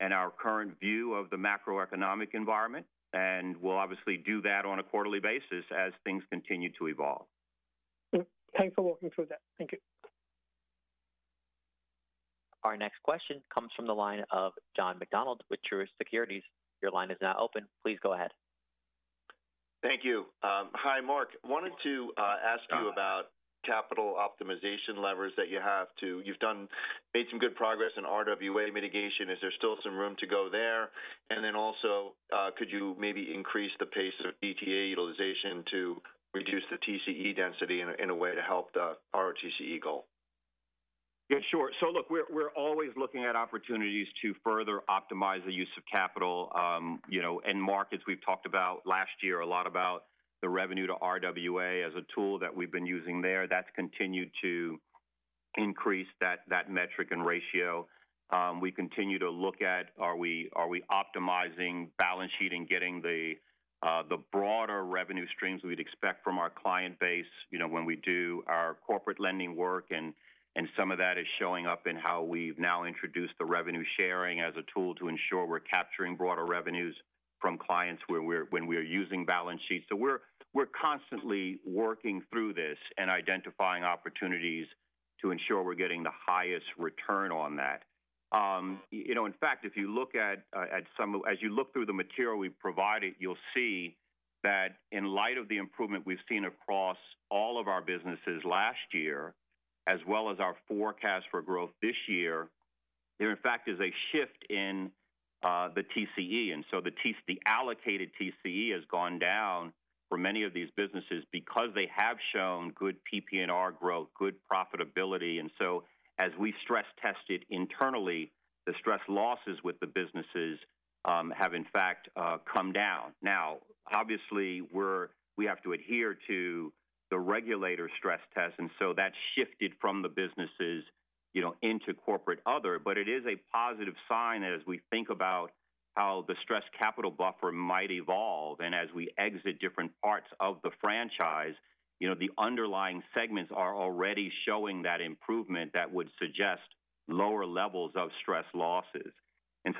and our current view of the macroeconomic environment. We will obviously do that on a quarterly basis as things continue to evolve. Thanks for walking through that. Thank you. Our next question comes from the line of John McDonald with Truist Securities. Your line is now open. Please go ahead. Thank you. Hi, Mark. Wanted to ask you about capital optimization levers that you have. You've made some good progress in RWA mitigation. Is there still some room to go there? Also, could you maybe increase the pace of ETA utilization to reduce the TCE density in a way to help the RTCE goal? Yeah, sure. Look, we're always looking at opportunities to further optimize the use of capital. In Markets, we've talked last year a lot about the revenue to RWA as a tool that we've been using there. That's continued to increase that metric and ratio. We continue to look at, are we optimizing balance sheet and getting the broader revenue streams we'd expect from our client base when we do our corporate lending work? Some of that is showing up in how we've now introduced the revenue sharing as a tool to ensure we're capturing broader revenues from clients when we are using balance sheets. We're constantly working through this and identifying opportunities to ensure we're getting the highest return on that. In fact, if you look at some as you look through the material we've provided, you'll see that in light of the improvement we've seen across all of our businesses last year, as well as our forecast for growth this year, there in fact is a shift in the TCE. The allocated TCE has gone down for many of these businesses because they have shown good PP&R growth, good profitability. As we stress test it internally, the stress losses with the businesses have in fact come down. Now, obviously, we have to adhere to the regulator stress test. That's shifted from the businesses into corporate other. It is a positive sign that as we think about how the stress capital buffer might evolve and as we exit different parts of the franchise, the underlying segments are already showing that improvement that would suggest lower levels of stress losses.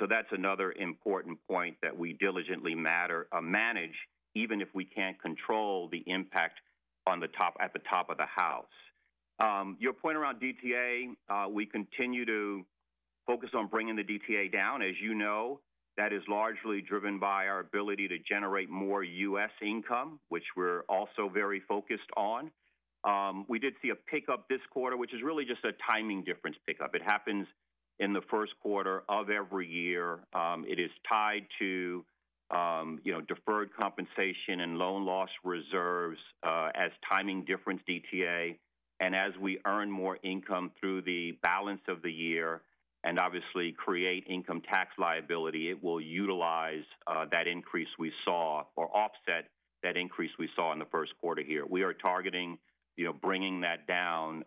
That is another important point that we diligently manage, even if we can't control the impact at the top of the house. Your point around DTA, we continue to focus on bringing the DTA down. As you know, that is largely driven by our ability to generate more U.S. income, which we're also very focused on. We did see a pickup this quarter, which is really just a timing difference pickup. It happens in the first quarter of every year. It is tied to deferred compensation and loan loss reserves as timing difference DTA. As we earn more income through the balance of the year and obviously create income tax liability, it will utilize that increase we saw or offset that increase we saw in the first quarter here. We are targeting bringing that down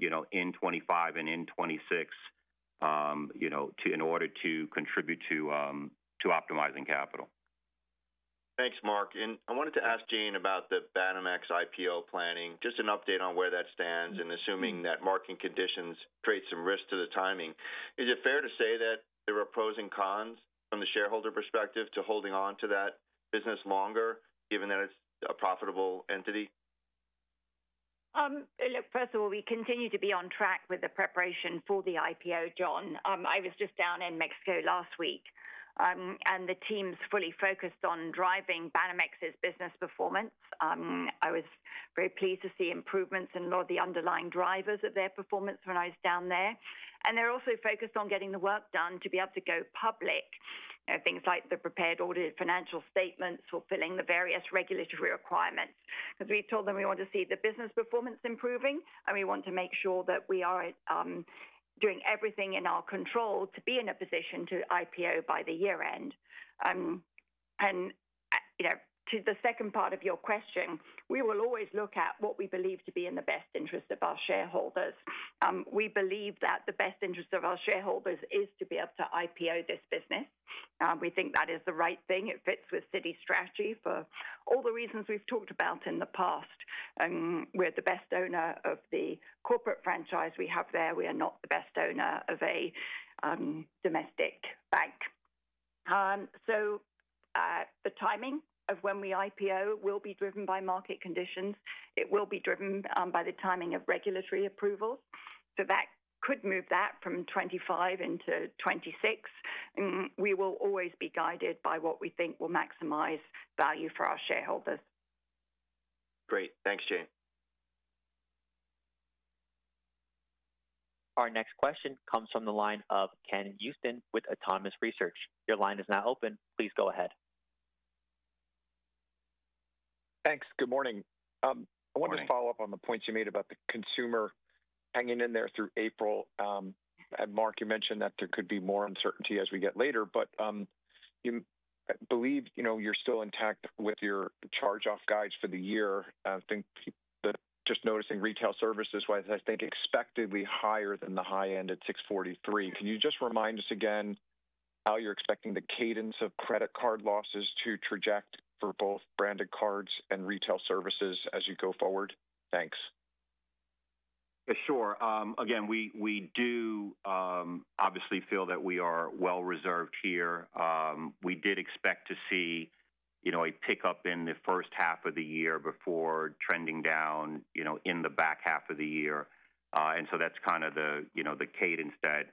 in 2025 and in 2026 in order to contribute to optimizing capital. Thanks, Mark. I wanted to ask Jane about the Banamex IPO planning, just an update on where that stands and assuming that market conditions create some risk to the timing. Is it fair to say that there are pros and cons from the shareholder perspective to holding on to that business longer, given that it's a profitable entity? Look, first of all, we continue to be on track with the preparation for the IPO, John. I was just down in Mexico last week, and the team's fully focused on driving Banamex's business performance. I was very pleased to see improvements in a lot of the underlying drivers of their performance when I was down there. They are also focused on getting the work done to be able to go public, things like the prepared audited financial statements or filling the various regulatory requirements. Because we told them we want to see the business performance improving, and we want to make sure that we are doing everything in our control to be in a position to IPO by the year-end. To the second part of your question, we will always look at what we believe to be in the best interest of our shareholders. We believe that the best interest of our shareholders is to be able to IPO this business. We think that is the right thing. It fits with Citi's strategy for all the reasons we've talked about in the past. We're the best owner of the corporate franchise we have there. We are not the best owner of a domestic bank. The timing of when we IPO will be driven by market conditions. It will be driven by the timing of regulatory approvals. That could move that from 2025 into 2026. We will always be guided by what we think will maximize value for our shareholders. Great. Thanks, Jane. Our next question comes from the line of Ken Usdin with Autonomous Research. Your line is now open. Please go ahead. Thanks. Good morning. I wanted to follow up on the points you made about the consumer hanging in there through April. Mark, you mentioned that there could be more uncertainty as we get later, but I believe you're still intact with your charge-off guides for the year. I think just noticing retail services was, I think, expectedly higher than the high end at 643. Can you just remind us again how you're expecting the cadence of credit card losses to traject for both branded cards and retail services as you go forward? Thanks. Sure. Again, we do obviously feel that we are well reserved here. We did expect to see a pickup in the first half of the year before trending down in the back half of the year. That is kind of the cadence that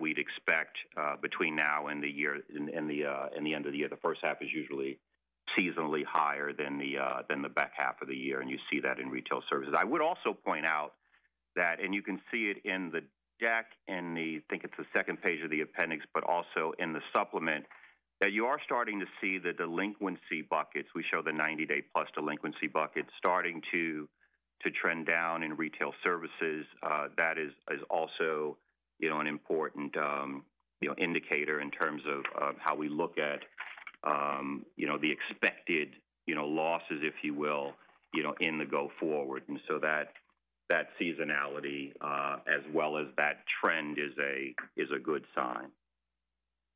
we'd expect between now and the end of the year. The first half is usually seasonally higher than the back half of the year. You see that in retail services. I would also point out that, and you can see it in the deck, I think it's the second page of the appendix, but also in the supplement, you are starting to see the delinquency buckets. We show the 90-day plus delinquency buckets starting to trend down in retail services. That is also an important indicator in terms of how we look at the expected losses, if you will, in the go-forward. That seasonality, as well as that trend, is a good sign.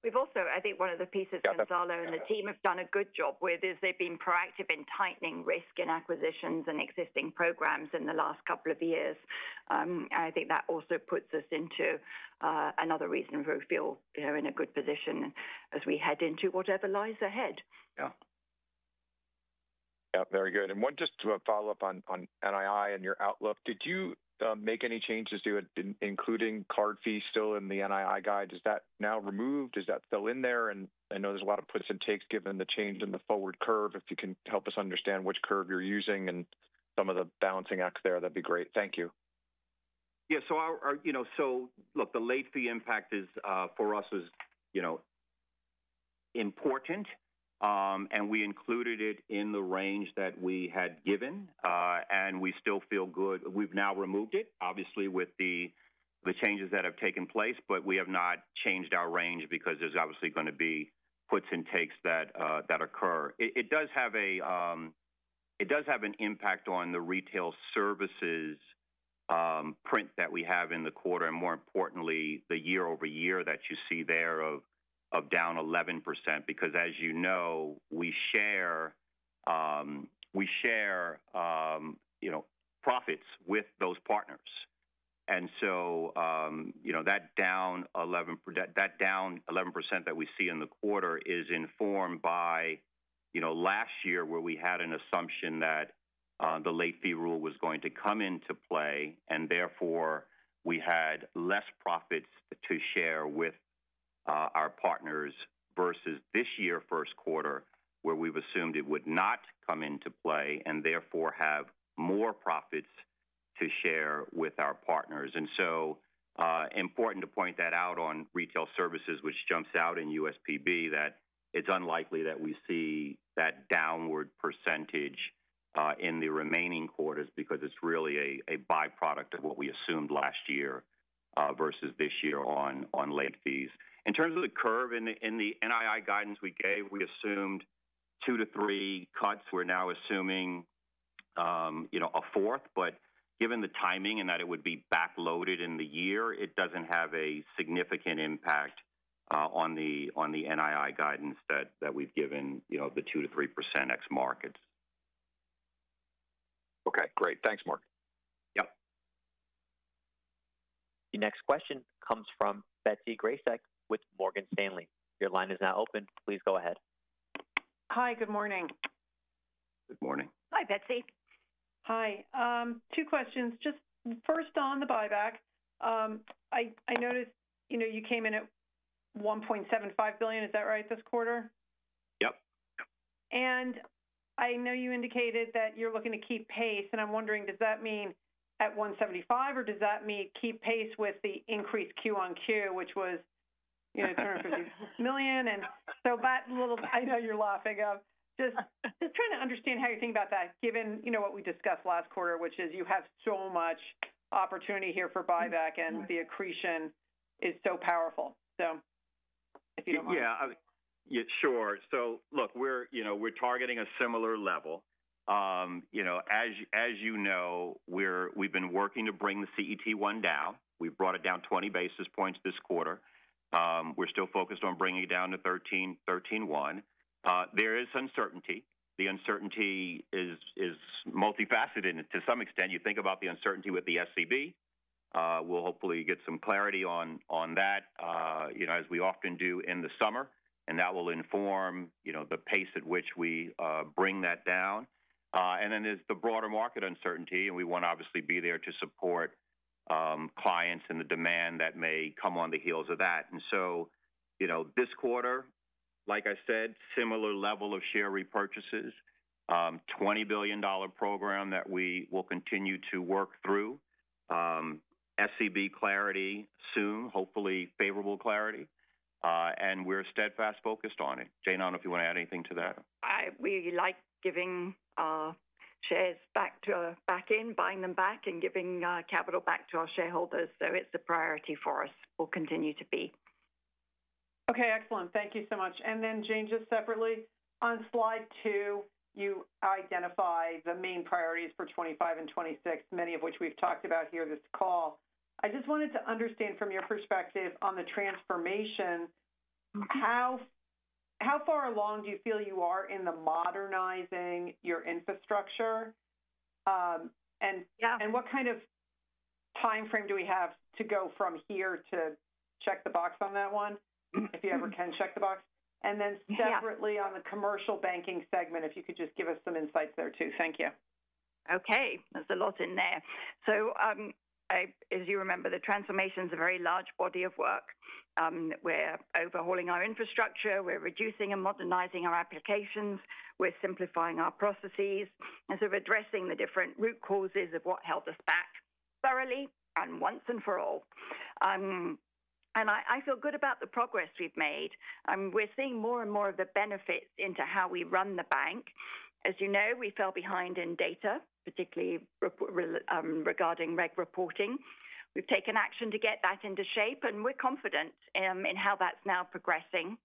We've also, I think one of the pieces Gonzalo and the team have done a good job with is they've been proactive in tightening risk in acquisitions and existing programs in the last couple of years. I think that also puts us into another reason to feel in a good position as we head into whatever lies ahead. Yeah. Yeah, very good. Just to follow up on NII and your outlook, did you make any changes to it, including card fees still in the NII guide? Is that now removed? Is that still in there? I know there is a lot of puts and takes given the change in the forward curve. If you can help us understand which curve you are using and some of the balancing acts there, that would be great. Thank you. Yeah. Look, the late fee impact for us was important, and we included it in the range that we had given. We still feel good. We have now removed it, obviously, with the changes that have taken place, but we have not changed our range because there are obviously going to be puts and takes that occur. It does have an impact on the retail services print that we have in the quarter, and more importantly, the year-over-year that you see there of down 11%. As you know, we share profits with those partners. That down 11% that we see in the quarter is informed by last year where we had an assumption that the late fee rule was going to come into play, and therefore we had less profits to share with our partners versus this year first quarter where we've assumed it would not come into play and therefore have more profits to share with our partners. It is important to point that out on retail services, which jumps out in USPB that it's unlikely that we see that downward percentage in the remaining quarters because it's really a byproduct of what we assumed last year versus this year on late fees. In terms of the curve in the NII guidance we gave, we assumed two to three cuts. We're now assuming a fourth. Given the timing and that it would be backloaded in the year, it doesn't have a significant impact on the NII guidance that we've given, the 2%-3% ex Markets. Okay. Great. Thanks, Mark. Yep. The next question comes from Betsy Graseck with Morgan Stanley. Your line is now open. Please go ahead. Hi, good morning. Good morning. Hi, Betsy. Hi. Two questions. Just first on the buyback, I noticed you came in at $1.75 billion. Is that right this quarter? Yep. I know you indicated that you're looking to keep pace. I'm wondering, does that mean at $175 million, or does that mean keep pace with the increased quarter on quarter, which was $250 million? I know you're laughing. Just trying to understand how you're thinking about that, given what we discussed last quarter, which is you have so much opportunity here for buyback, and the accretion is so powerful. If you don't mind. Yeah. Sure. Look, we're targeting a similar level. As you know, we've been working to bring the CET1 down. We've brought it down 20 basis points this quarter. We're still focused on bringing it down to 13.1. There is uncertainty. The uncertainty is multifaceted to some extent. You think about the uncertainty with the SEB. We'll hopefully get some clarity on that, as we often do in the summer. That will inform the pace at which we bring that down. There is the broader market uncertainty, and we want to obviously be there to support clients and the demand that may come on the heels of that. This quarter, like I said, similar level of share repurchases, $20 billion program that we will continue to work through. SEB clarity soon, hopefully favorable clarity. We're steadfast focused on it. Jane, I don't know if you want to add anything to that. We like giving shares back in, buying them back, and giving capital back to our shareholders. It is a priority for us. We will continue to be. Okay. Excellent. Thank you so much. Jane, just separately, on slide two, you identify the main priorities for 2025 and 2026, many of which we've talked about here this call. I just wanted to understand from your perspective on the transformation, how far along do you feel you are in modernizing your infrastructure? What kind of timeframe do we have to go from here to check the box on that one, if you ever can check the box? Separately, on the commercial banking segment, if you could just give us some insights there too. Thank you. Okay. There's a lot in there. As you remember, the transformation is a very large body of work. We're overhauling our infrastructure. We're reducing and modernizing our applications. We're simplifying our processes. We're addressing the different root causes of what held us back thoroughly and once and for all. I feel good about the progress we've made. We're seeing more and more of the benefits into how we run the bank. As you know, we fell behind in data, particularly regarding reg reporting. We've taken action to get that into shape, and we're confident in how that's now progressing.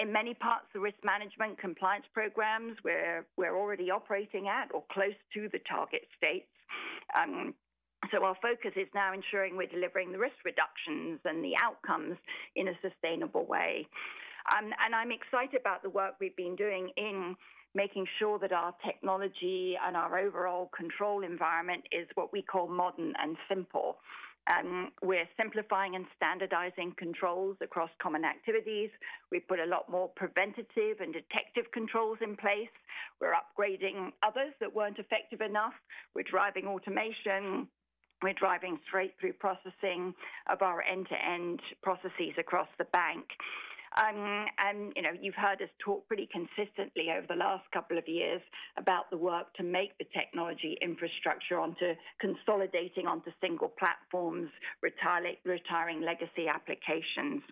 In many parts, the risk management compliance programs, we're already operating at or close to the target states. Our focus is now ensuring we're delivering the risk reductions and the outcomes in a sustainable way. I'm excited about the work we've been doing in making sure that our technology and our overall control environment is what we call modern and simple. We're simplifying and standardizing controls across common activities. We've put a lot more preventative and detective controls in place. We're upgrading others that weren't effective enough. We're driving automation. We're driving straight-through processing of our end-to-end processes across the bank. You've heard us talk pretty consistently over the last couple of years about the work to make the technology infrastructure onto consolidating onto single platforms, retiring legacy applications.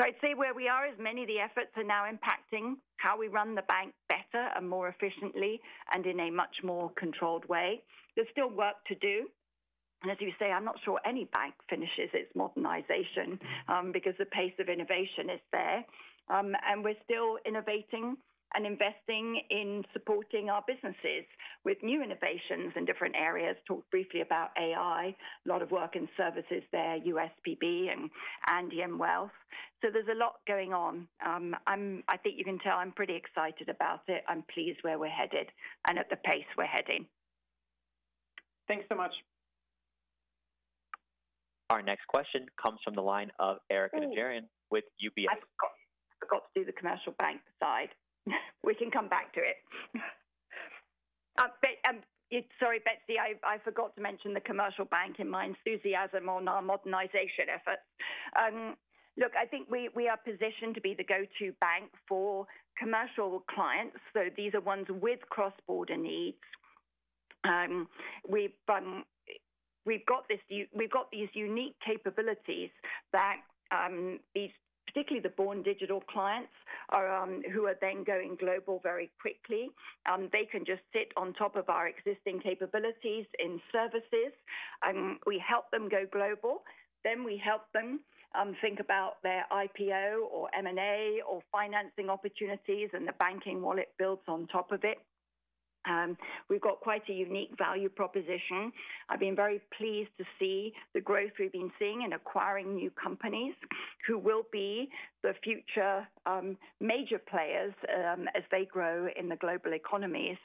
I'd say where we are, as many of the efforts are now impacting how we run the bank better and more efficiently and in a much more controlled way. There's still work to do. As you say, I'm not sure any bank finishes its modernization because the pace of innovation is there. We're still innovating and investing in supporting our businesses with new innovations in different areas. Talked briefly about AI, a lot of work and services there, USPB and Andy Sieg Wealth. There's a lot going on. I think you can tell I'm pretty excited about it. I'm pleased where we're headed and at the pace we're heading. Thanks so much. Our next question comes from the line of Erika Najarian with UBS. I forgot to do the commercial bank side. We can come back to it. Sorry, Betsy, I forgot to mention the commercial bank in my enthusiasm on our modernization efforts. Look, I think we are positioned to be the go-to bank for commercial clients. These are ones with cross-border needs. We have these unique capabilities that particularly the born digital clients who are then going global very quickly. They can just sit on top of our existing capabilities in services. We help them go global. We help them think about their IPO or M&A or financing opportunities, and the banking wallet builds on top of it. We have quite a unique value proposition. I have been very pleased to see the growth we have been seeing in acquiring new companies who will be the future major players as they grow in the global economies.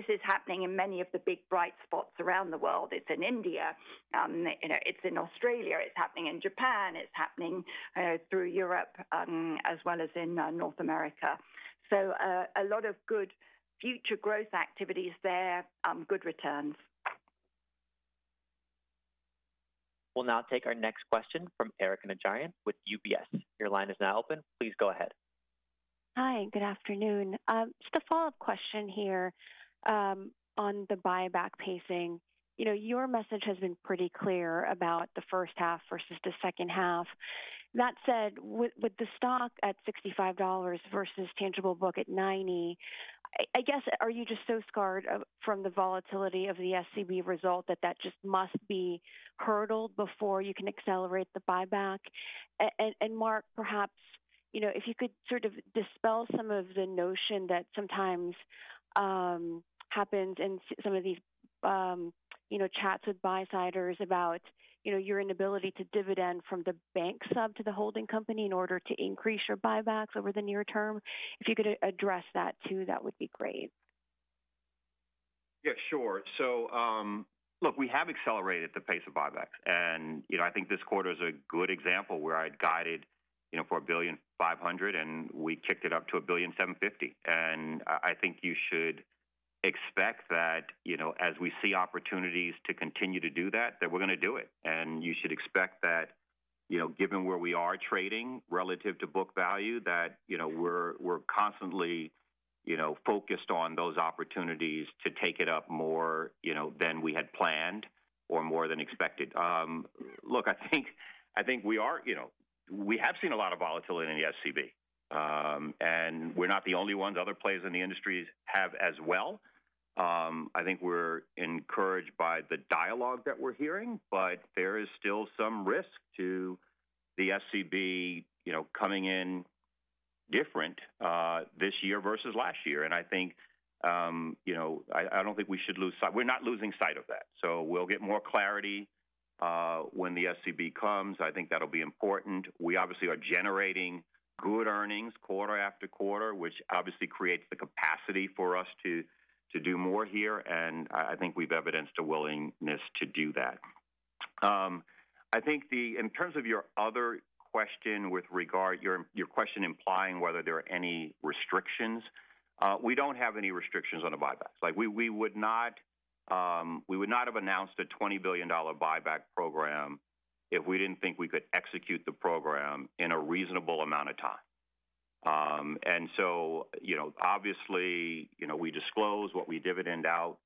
This is happening in many of the big bright spots around the world. It's in India. It's in Australia. It's happening in Japan. It's happening through Europe as well as in North America. A lot of good future growth activities there, good returns. We'll now take our next question from Erika Najarian with UBS. Your line is now open. Please go ahead. Hi, good afternoon. Just a follow-up question here on the buyback pacing. Your message has been pretty clear about the first half versus the second half. That said, with the stock at $65 versus tangible book at 90, I guess, are you just so scarred from the volatility of the SEB result that that just must be hurdled before you can accelerate the buyback? Mark, perhaps if you could sort of dispel some of the notion that sometimes happens in some of these chats with buy-siders about your inability to dividend from the bank sub to the holding company in order to increase your buybacks over the near term, if you could address that too, that would be great. Yeah, sure. Look, we have accelerated the pace of buybacks. I think this quarter is a good example where I had guided for $1.5 billion, and we kicked it up to $1.75 billion. I think you should expect that as we see opportunities to continue to do that, we are going to do it. You should expect that given where we are trading relative to book value, we are constantly focused on those opportunities to take it up more than we had planned or more than expected. I think we have seen a lot of volatility in the SEB. We are not the only ones. Other players in the industry have as well. I think we are encouraged by the dialogue that we are hearing, but there is still some risk to the SEB coming in different this year versus last year. I think I don't think we should lose sight. We're not losing sight of that. We'll get more clarity when the SEB comes. I think that'll be important. We obviously are generating good earnings quarter after quarter, which obviously creates the capacity for us to do more here. I think we've evidenced a willingness to do that. I think in terms of your other question with regard to your question implying whether there are any restrictions, we don't have any restrictions on the buybacks. We would not have announced a $20 billion buyback program if we didn't think we could execute the program in a reasonable amount of time. We disclose what we dividend out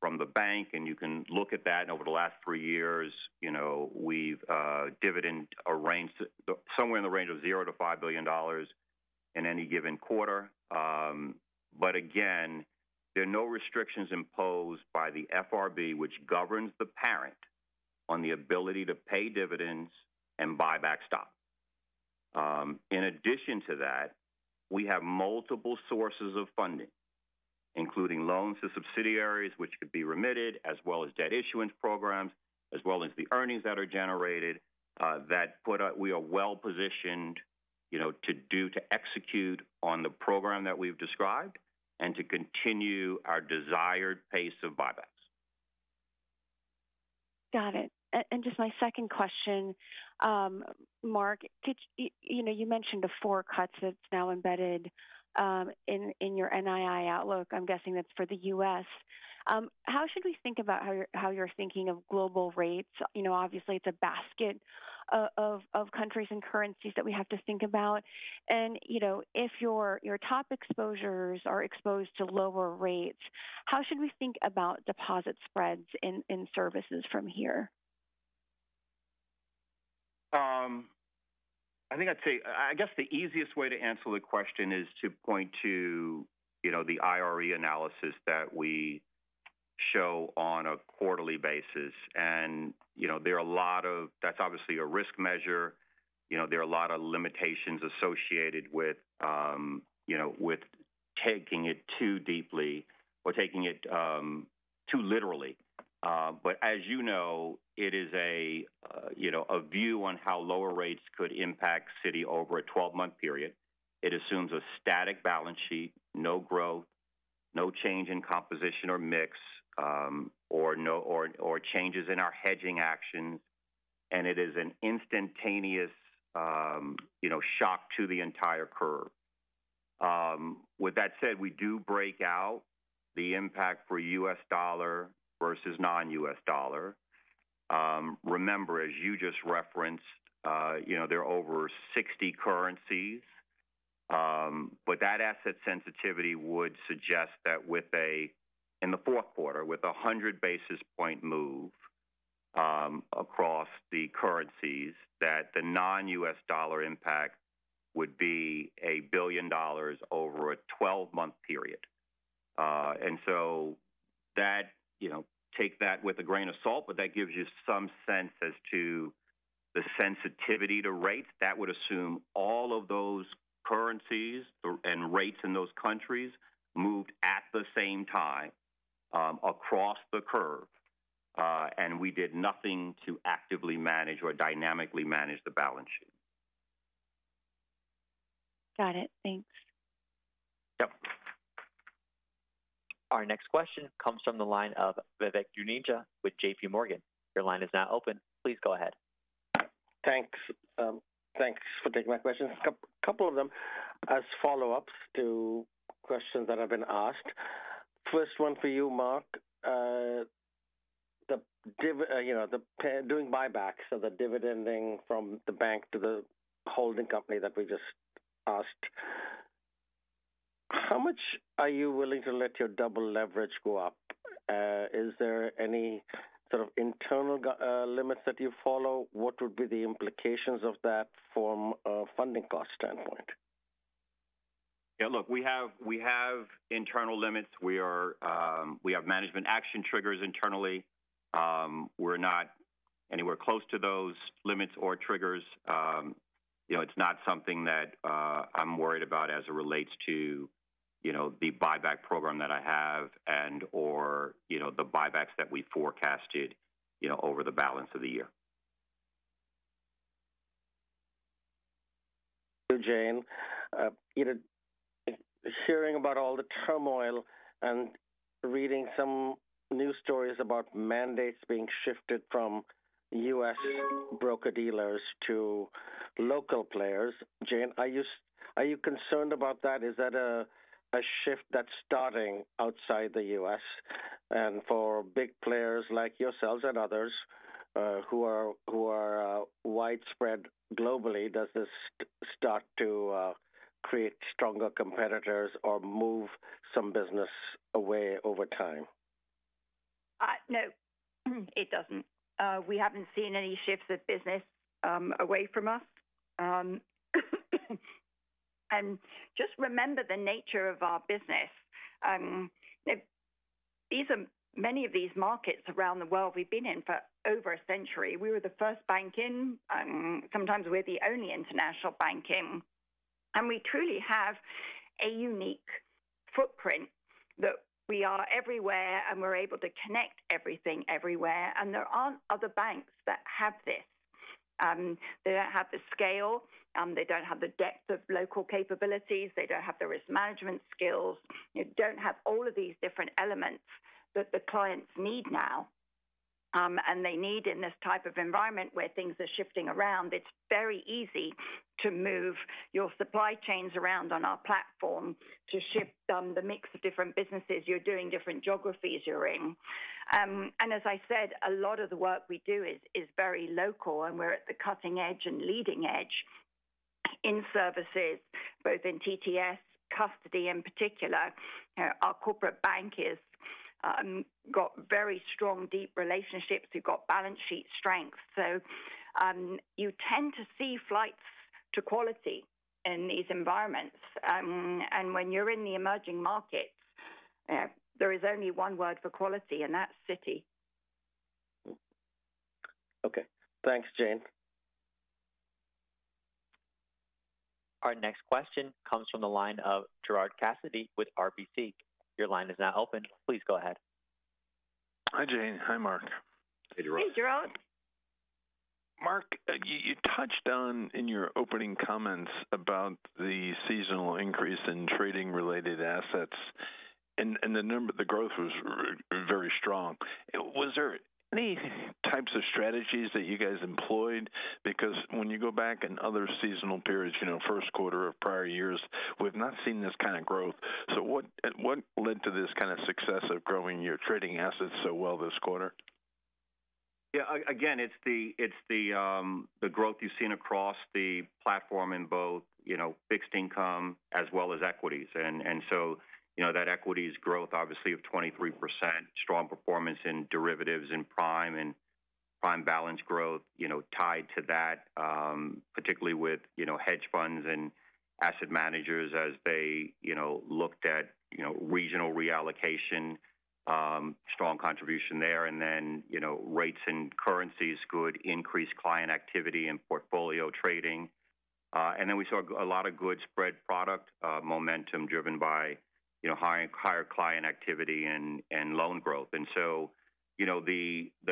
from the bank, and you can look at that. Over the last three years, we've dividend arranged somewhere in the range of $0 billion-$5 billion in any given quarter. Again, there are no restrictions imposed by the FRB, which governs the parent on the ability to pay dividends and buy back stock. In addition to that, we have multiple sources of funding, including loans to subsidiaries, which could be remitted, as well as debt issuance programs, as well as the earnings that are generated that put us well positioned to execute on the program that we've described and to continue our desired pace of buybacks. Got it. Just my second question, Mark, you mentioned the four cuts that's now embedded in your NII outlook. I'm guessing that's for the U.S. How should we think about how you're thinking of global rates? Obviously, it's a basket of countries and currencies that we have to think about. If your top exposures are exposed to lower rates, how should we think about deposit spreads in services from here? I think I'd say I guess the easiest way to answer the question is to point to the IRE analysis that we show on a quarterly basis. There are a lot of that's obviously a risk measure. There are a lot of limitations associated with taking it too deeply or taking it too literally. As you know, it is a view on how lower rates could impact Citi over a 12-month period. It assumes a static balance sheet, no growth, no change in composition or mix, or changes in our hedging actions. It is an instantaneous shock to the entire curve. With that said, we do break out the impact for U.S. dollar versus non-US dollar. Remember, as you just referenced, there are over 60 currencies. That asset sensitivity would suggest that in the fourth quarter, with a 100 basis point move across the currencies, the non-U.S. dollar impact would be $1 billion over a 12-month period. Take that with a grain of salt, but that gives you some sense as to the sensitivity to rates. That would assume all of those currencies and rates in those countries moved at the same time across the curve. We did nothing to actively manage or dynamically manage the balance sheet. Got it. Thanks Yep. Our next question comes from the line of Vivek Juneja with JPMorgan. Your line is now open. Please go ahead. Thanks. Thanks for taking my question. A couple of them as follow-ups to questions that have been asked. First one for you, Mark. The doing buybacks of the dividending from the bank to the holding company that we just asked, how much are you willing to let your double leverage go up? Is there any sort of internal limits that you follow? What would be the implications of that from a funding cost standpoint? Yeah. Look, we have internal limits. We have management action triggers internally. We're not anywhere close to those limits or triggers. It's not something that I'm worried about as it relates to the buyback program that I have and/or the buybacks that we forecasted over the balance of the year. Jane, hearing about all the turmoil and reading some news stories about mandates being shifted from U.S. broker-dealers to local players, Jane, are you concerned about that? Is that a shift that's starting outside the U.S.? For big players like yourselves and others who are widespread globally, does this start to create stronger competitors or move some business away over time? No. It doesn't. We haven't seen any shifts of business away from us. Just remember the nature of our business. Many of these markets around the world we've been in for over a century. We were the first bank in. Sometimes we're the only international bank in. We truly have a unique footprint that we are everywhere, and we're able to connect everything everywhere. There aren't other banks that have this. They don't have the scale. They don't have the depth of local capabilities. They don't have the risk management skills. They don't have all of these different elements that the clients need now. They need in this type of environment where things are shifting around, it's very easy to move your supply chains around on our platform to shift the mix of different businesses. You're doing different geographies you're in. As I said, a lot of the work we do is very local, and we're at the cutting edge and leading edge in services, both in TTS, custody in particular. Our corporate bank has got very strong, deep relationships. We've got balance sheet strength. You tend to see flights to quality in these environments. When you're in the emerging markets, there is only one word for quality, and that's Citi. Okay. Thanks, Jane. Our next question comes from the line of Gerard Cassidy with RBC. Your line is now open. Please go ahead. Hi, Jane. Hi, Mark. Hey, Gerald. Hey, Gerald. Mark, you touched on in your opening comments about the seasonal increase in trading-related assets, and the growth was very strong. Was there any types of strategies that you guys employed? Because when you go back in other seasonal periods, first quarter of prior years, we have not seen this kind of growth. What led to this kind of success of growing your trading assets so well this quarter? Yeah. Again, it's the growth you've seen across the platform in both fixed income as well as equities. That equities growth, obviously, of 23%, strong performance in derivatives and prime and prime balance growth tied to that, particularly with hedge funds and asset managers as they looked at regional reallocation, strong contribution there. Rates and currencies could increase client activity and portfolio trading. We saw a lot of good spread product momentum driven by higher client activity and loan growth. The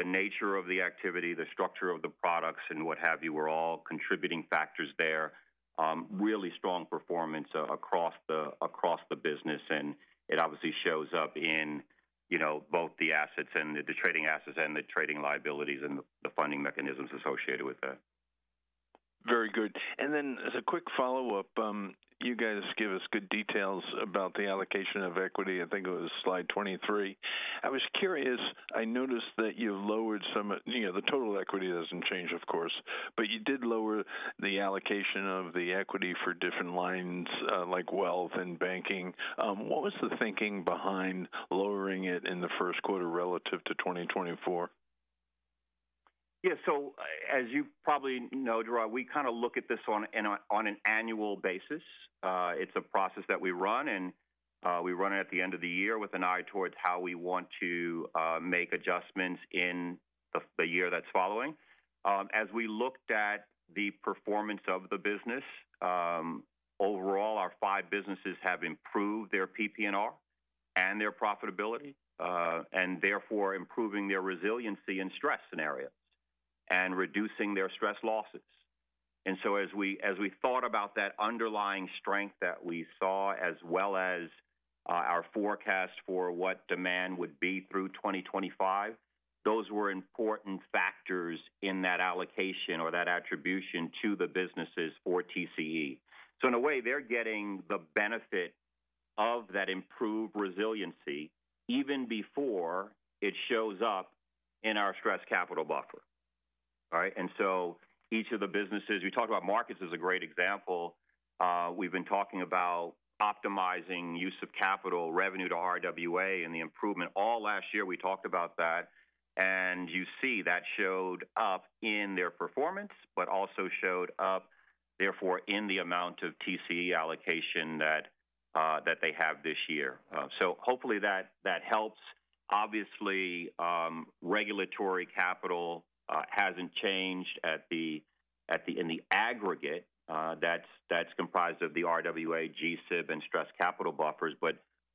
nature of the activity, the structure of the products, and what have you were all contributing factors there. Really strong performance across the business. It obviously shows up in both the assets and the trading assets and the trading liabilities and the funding mechanisms associated with that. Very good. As a quick follow-up, you guys give us good details about the allocation of equity. I think it was Slide 23. I was curious. I noticed that you've lowered some of the total equity does not change, of course, but you did lower the allocation of the equity for different lines like wealth and banking. What was the thinking behind lowering it in the first quarter relative to 2024? Yeah. As you probably know, Gerard, we kind of look at this on an annual basis. It's a process that we run. We run it at the end of the year with an eye towards how we want to make adjustments in the year that's following. As we looked at the performance of the business, overall, our five businesses have improved their PP&R and their profitability, and therefore improving their resiliency in stress scenarios and reducing their stress losses. As we thought about that underlying strength that we saw, as well as our forecast for what demand would be through 2025, those were important factors in that allocation or that attribution to the businesses for TCE. In a way, they're getting the benefit of that improved resiliency even before it shows up in our stress capital buffer. All right? Each of the businesses we talked about, Mark, this is a great example. We've been talking about optimizing use of capital, revenue to RWA, and the improvement. All last year, we talked about that. You see that showed up in their performance, but also showed up, therefore, in the amount of TCE allocation that they have this year. Hopefully that helps. Obviously, regulatory capital hasn't changed in the aggregate. That's comprised of the RWA, GSIB, and stress capital buffers.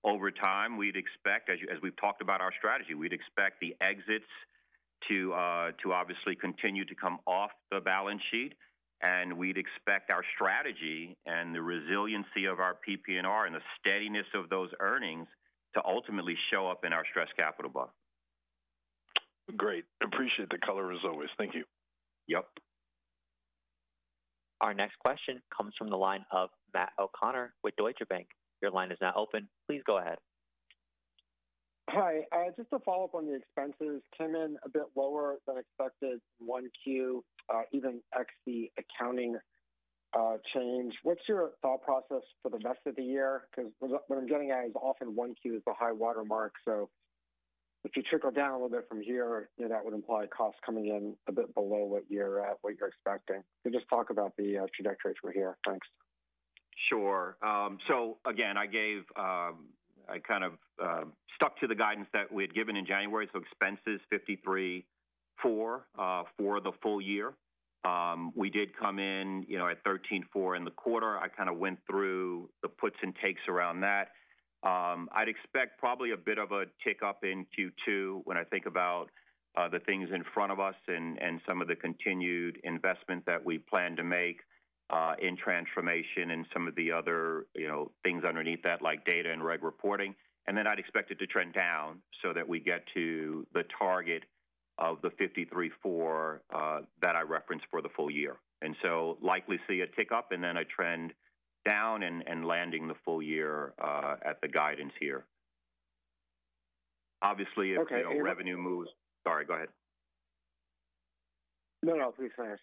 Over time, we'd expect, as we've talked about our strategy, we'd expect the exits to continue to come off the balance sheet. We'd expect our strategy and the resiliency of our PP&R and the steadiness of those earnings to ultimately show up in our stress capital buffer. Great. Appreciate the color as always. Thank you. Yep. Our next question comes from the line of Matt O'Connor with Deutsche Bank. Your line is now open. Please go ahead. Hi. Just to follow up on the expenses, came in a bit lower than expected, one Q, even ex the accounting change. What's your thought process for the rest of the year? Because what I'm getting at is often one Q is the high watermark. If you trickle down a little bit from here, that would imply costs coming in a bit below what you're expecting. Just talk about the trajectory from here. Thanks. Sure. Again, I kind of stuck to the guidance that we had given in January. Expenses, $53.4 billion for the full year. We did come in at $13.4 billion in the quarter. I kind of went through the puts and takes around that. I'd expect probably a bit of a tick up in Q2 when I think about the things in front of us and some of the continued investment that we plan to make in transformation and some of the other things underneath that, like data and reg reporting. I'd expect it to trend down so that we get to the target of the $53.4 billion that I referenced for the full year. Likely see a tick up and then a trend down and landing the full year at the guidance here. Obviously, if revenue moves—sorry, go ahead. No, no. Please go ahead.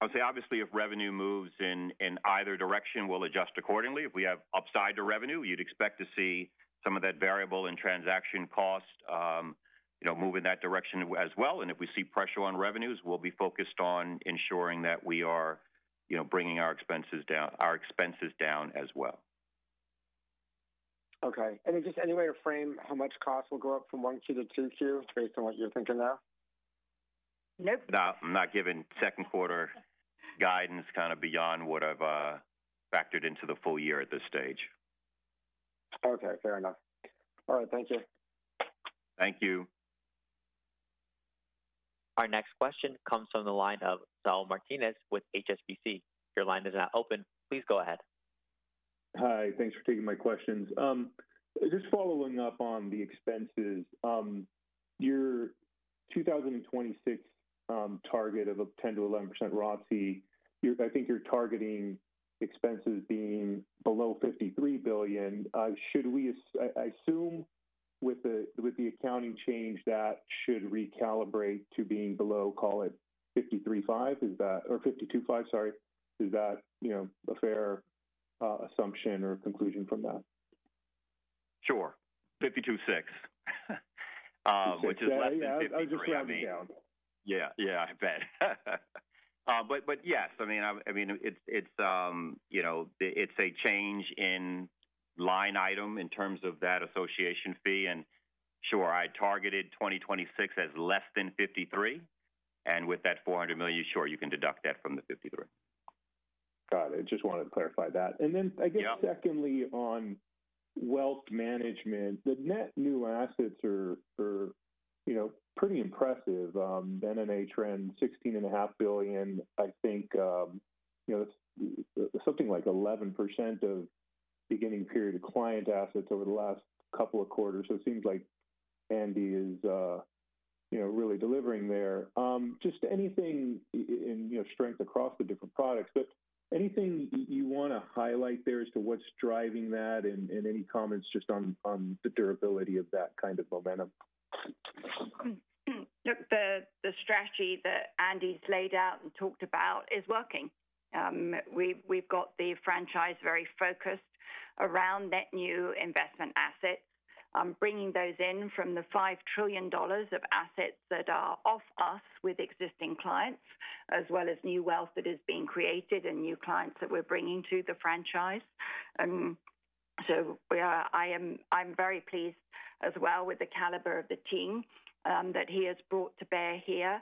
I would say obviously, if revenue moves in either direction, we'll adjust accordingly. If we have upside to revenue, you'd expect to see some of that variable and transaction cost move in that direction as well. If we see pressure on revenues, we'll be focused on ensuring that we are bringing our expenses down as well. Okay. Is there any way to frame how much cost will go up from one Q to two Q based on what you're thinking now? Nope. I'm not giving second quarter guidance kind of beyond what I've factored into the full year at this stage. Okay. Fair enough. All right. Thank you. Thank you. Our next question comes from the line of Saul Martinez with HSBC. Your line is now open. Please go ahead. Hi. Thanks for taking my questions. Just following up on the expenses, your 2026 target of a 10-11% ROTCE, I think you're targeting expenses being below $53 billion. Should we assume with the accounting change that should recalibrate to being below, call it $53.5 billion or $52.5 billion, sorry? Is that a fair assumption or conclusion from that? Sure. $52.6 billion, which is less than $53 billion. I just wanted to be—yeah, yeah, I bet. Yes, I mean, I mean, it's a change in line item in terms of that association fee. Sure, I targeted 2026 as less than $53 billion. With that $400 million, sure, you can deduct that from the $53 billion. Got it. Just wanted to clarify that. I guess secondly on wealth management, the net new assets are pretty impressive. NNA trend, $16.5 billion, I think something like 11% of beginning period of client assets over the last couple of quarters. It seems like Andy is really delivering there. Just anything in strength across the different products, but anything you want to highlight there as to what's driving that and any comments just on the durability of that kind of momentum? Nope. The strategy that Andy's laid out and talked about is working. We've got the franchise very focused around net new investment assets, bringing those in from the $5 trillion of assets that are off us with existing clients, as well as new wealth that is being created and new clients that we're bringing to the franchise. I'm very pleased as well with the caliber of the team that he has brought to bear here.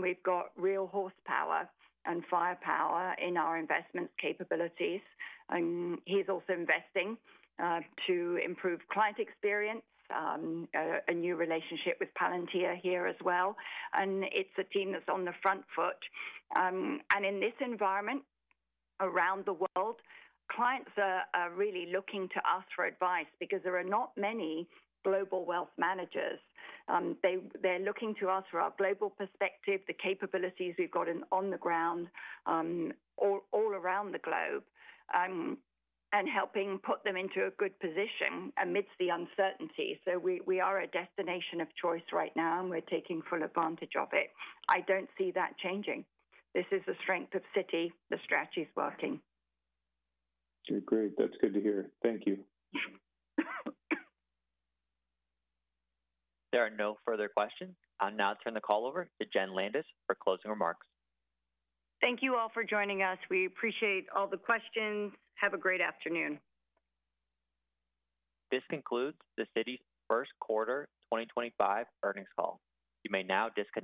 We've got real horsepower and firepower in our investment capabilities. He's also investing to improve client experience, a new relationship with Palantir here as well. It's a team that's on the front foot. In this environment around the world, clients are really looking to us for advice because there are not many global wealth managers. They're looking to us for our global perspective, the capabilities we've got on the ground all around the globe, and helping put them into a good position amidst the uncertainty. We are a destination of choice right now, and we're taking full advantage of it. I don't see that changing. This is the strength of Citi. The strategy is working. Great. That's good to hear. Thank you. There are no further questions. I'll now turn the call over to Jenn Landis for closing remarks. Thank you all for joining us. We appreciate all the questions. Have a great afternoon. This concludes the Citi's first quarter 2025 earnings call. You may now disconnect.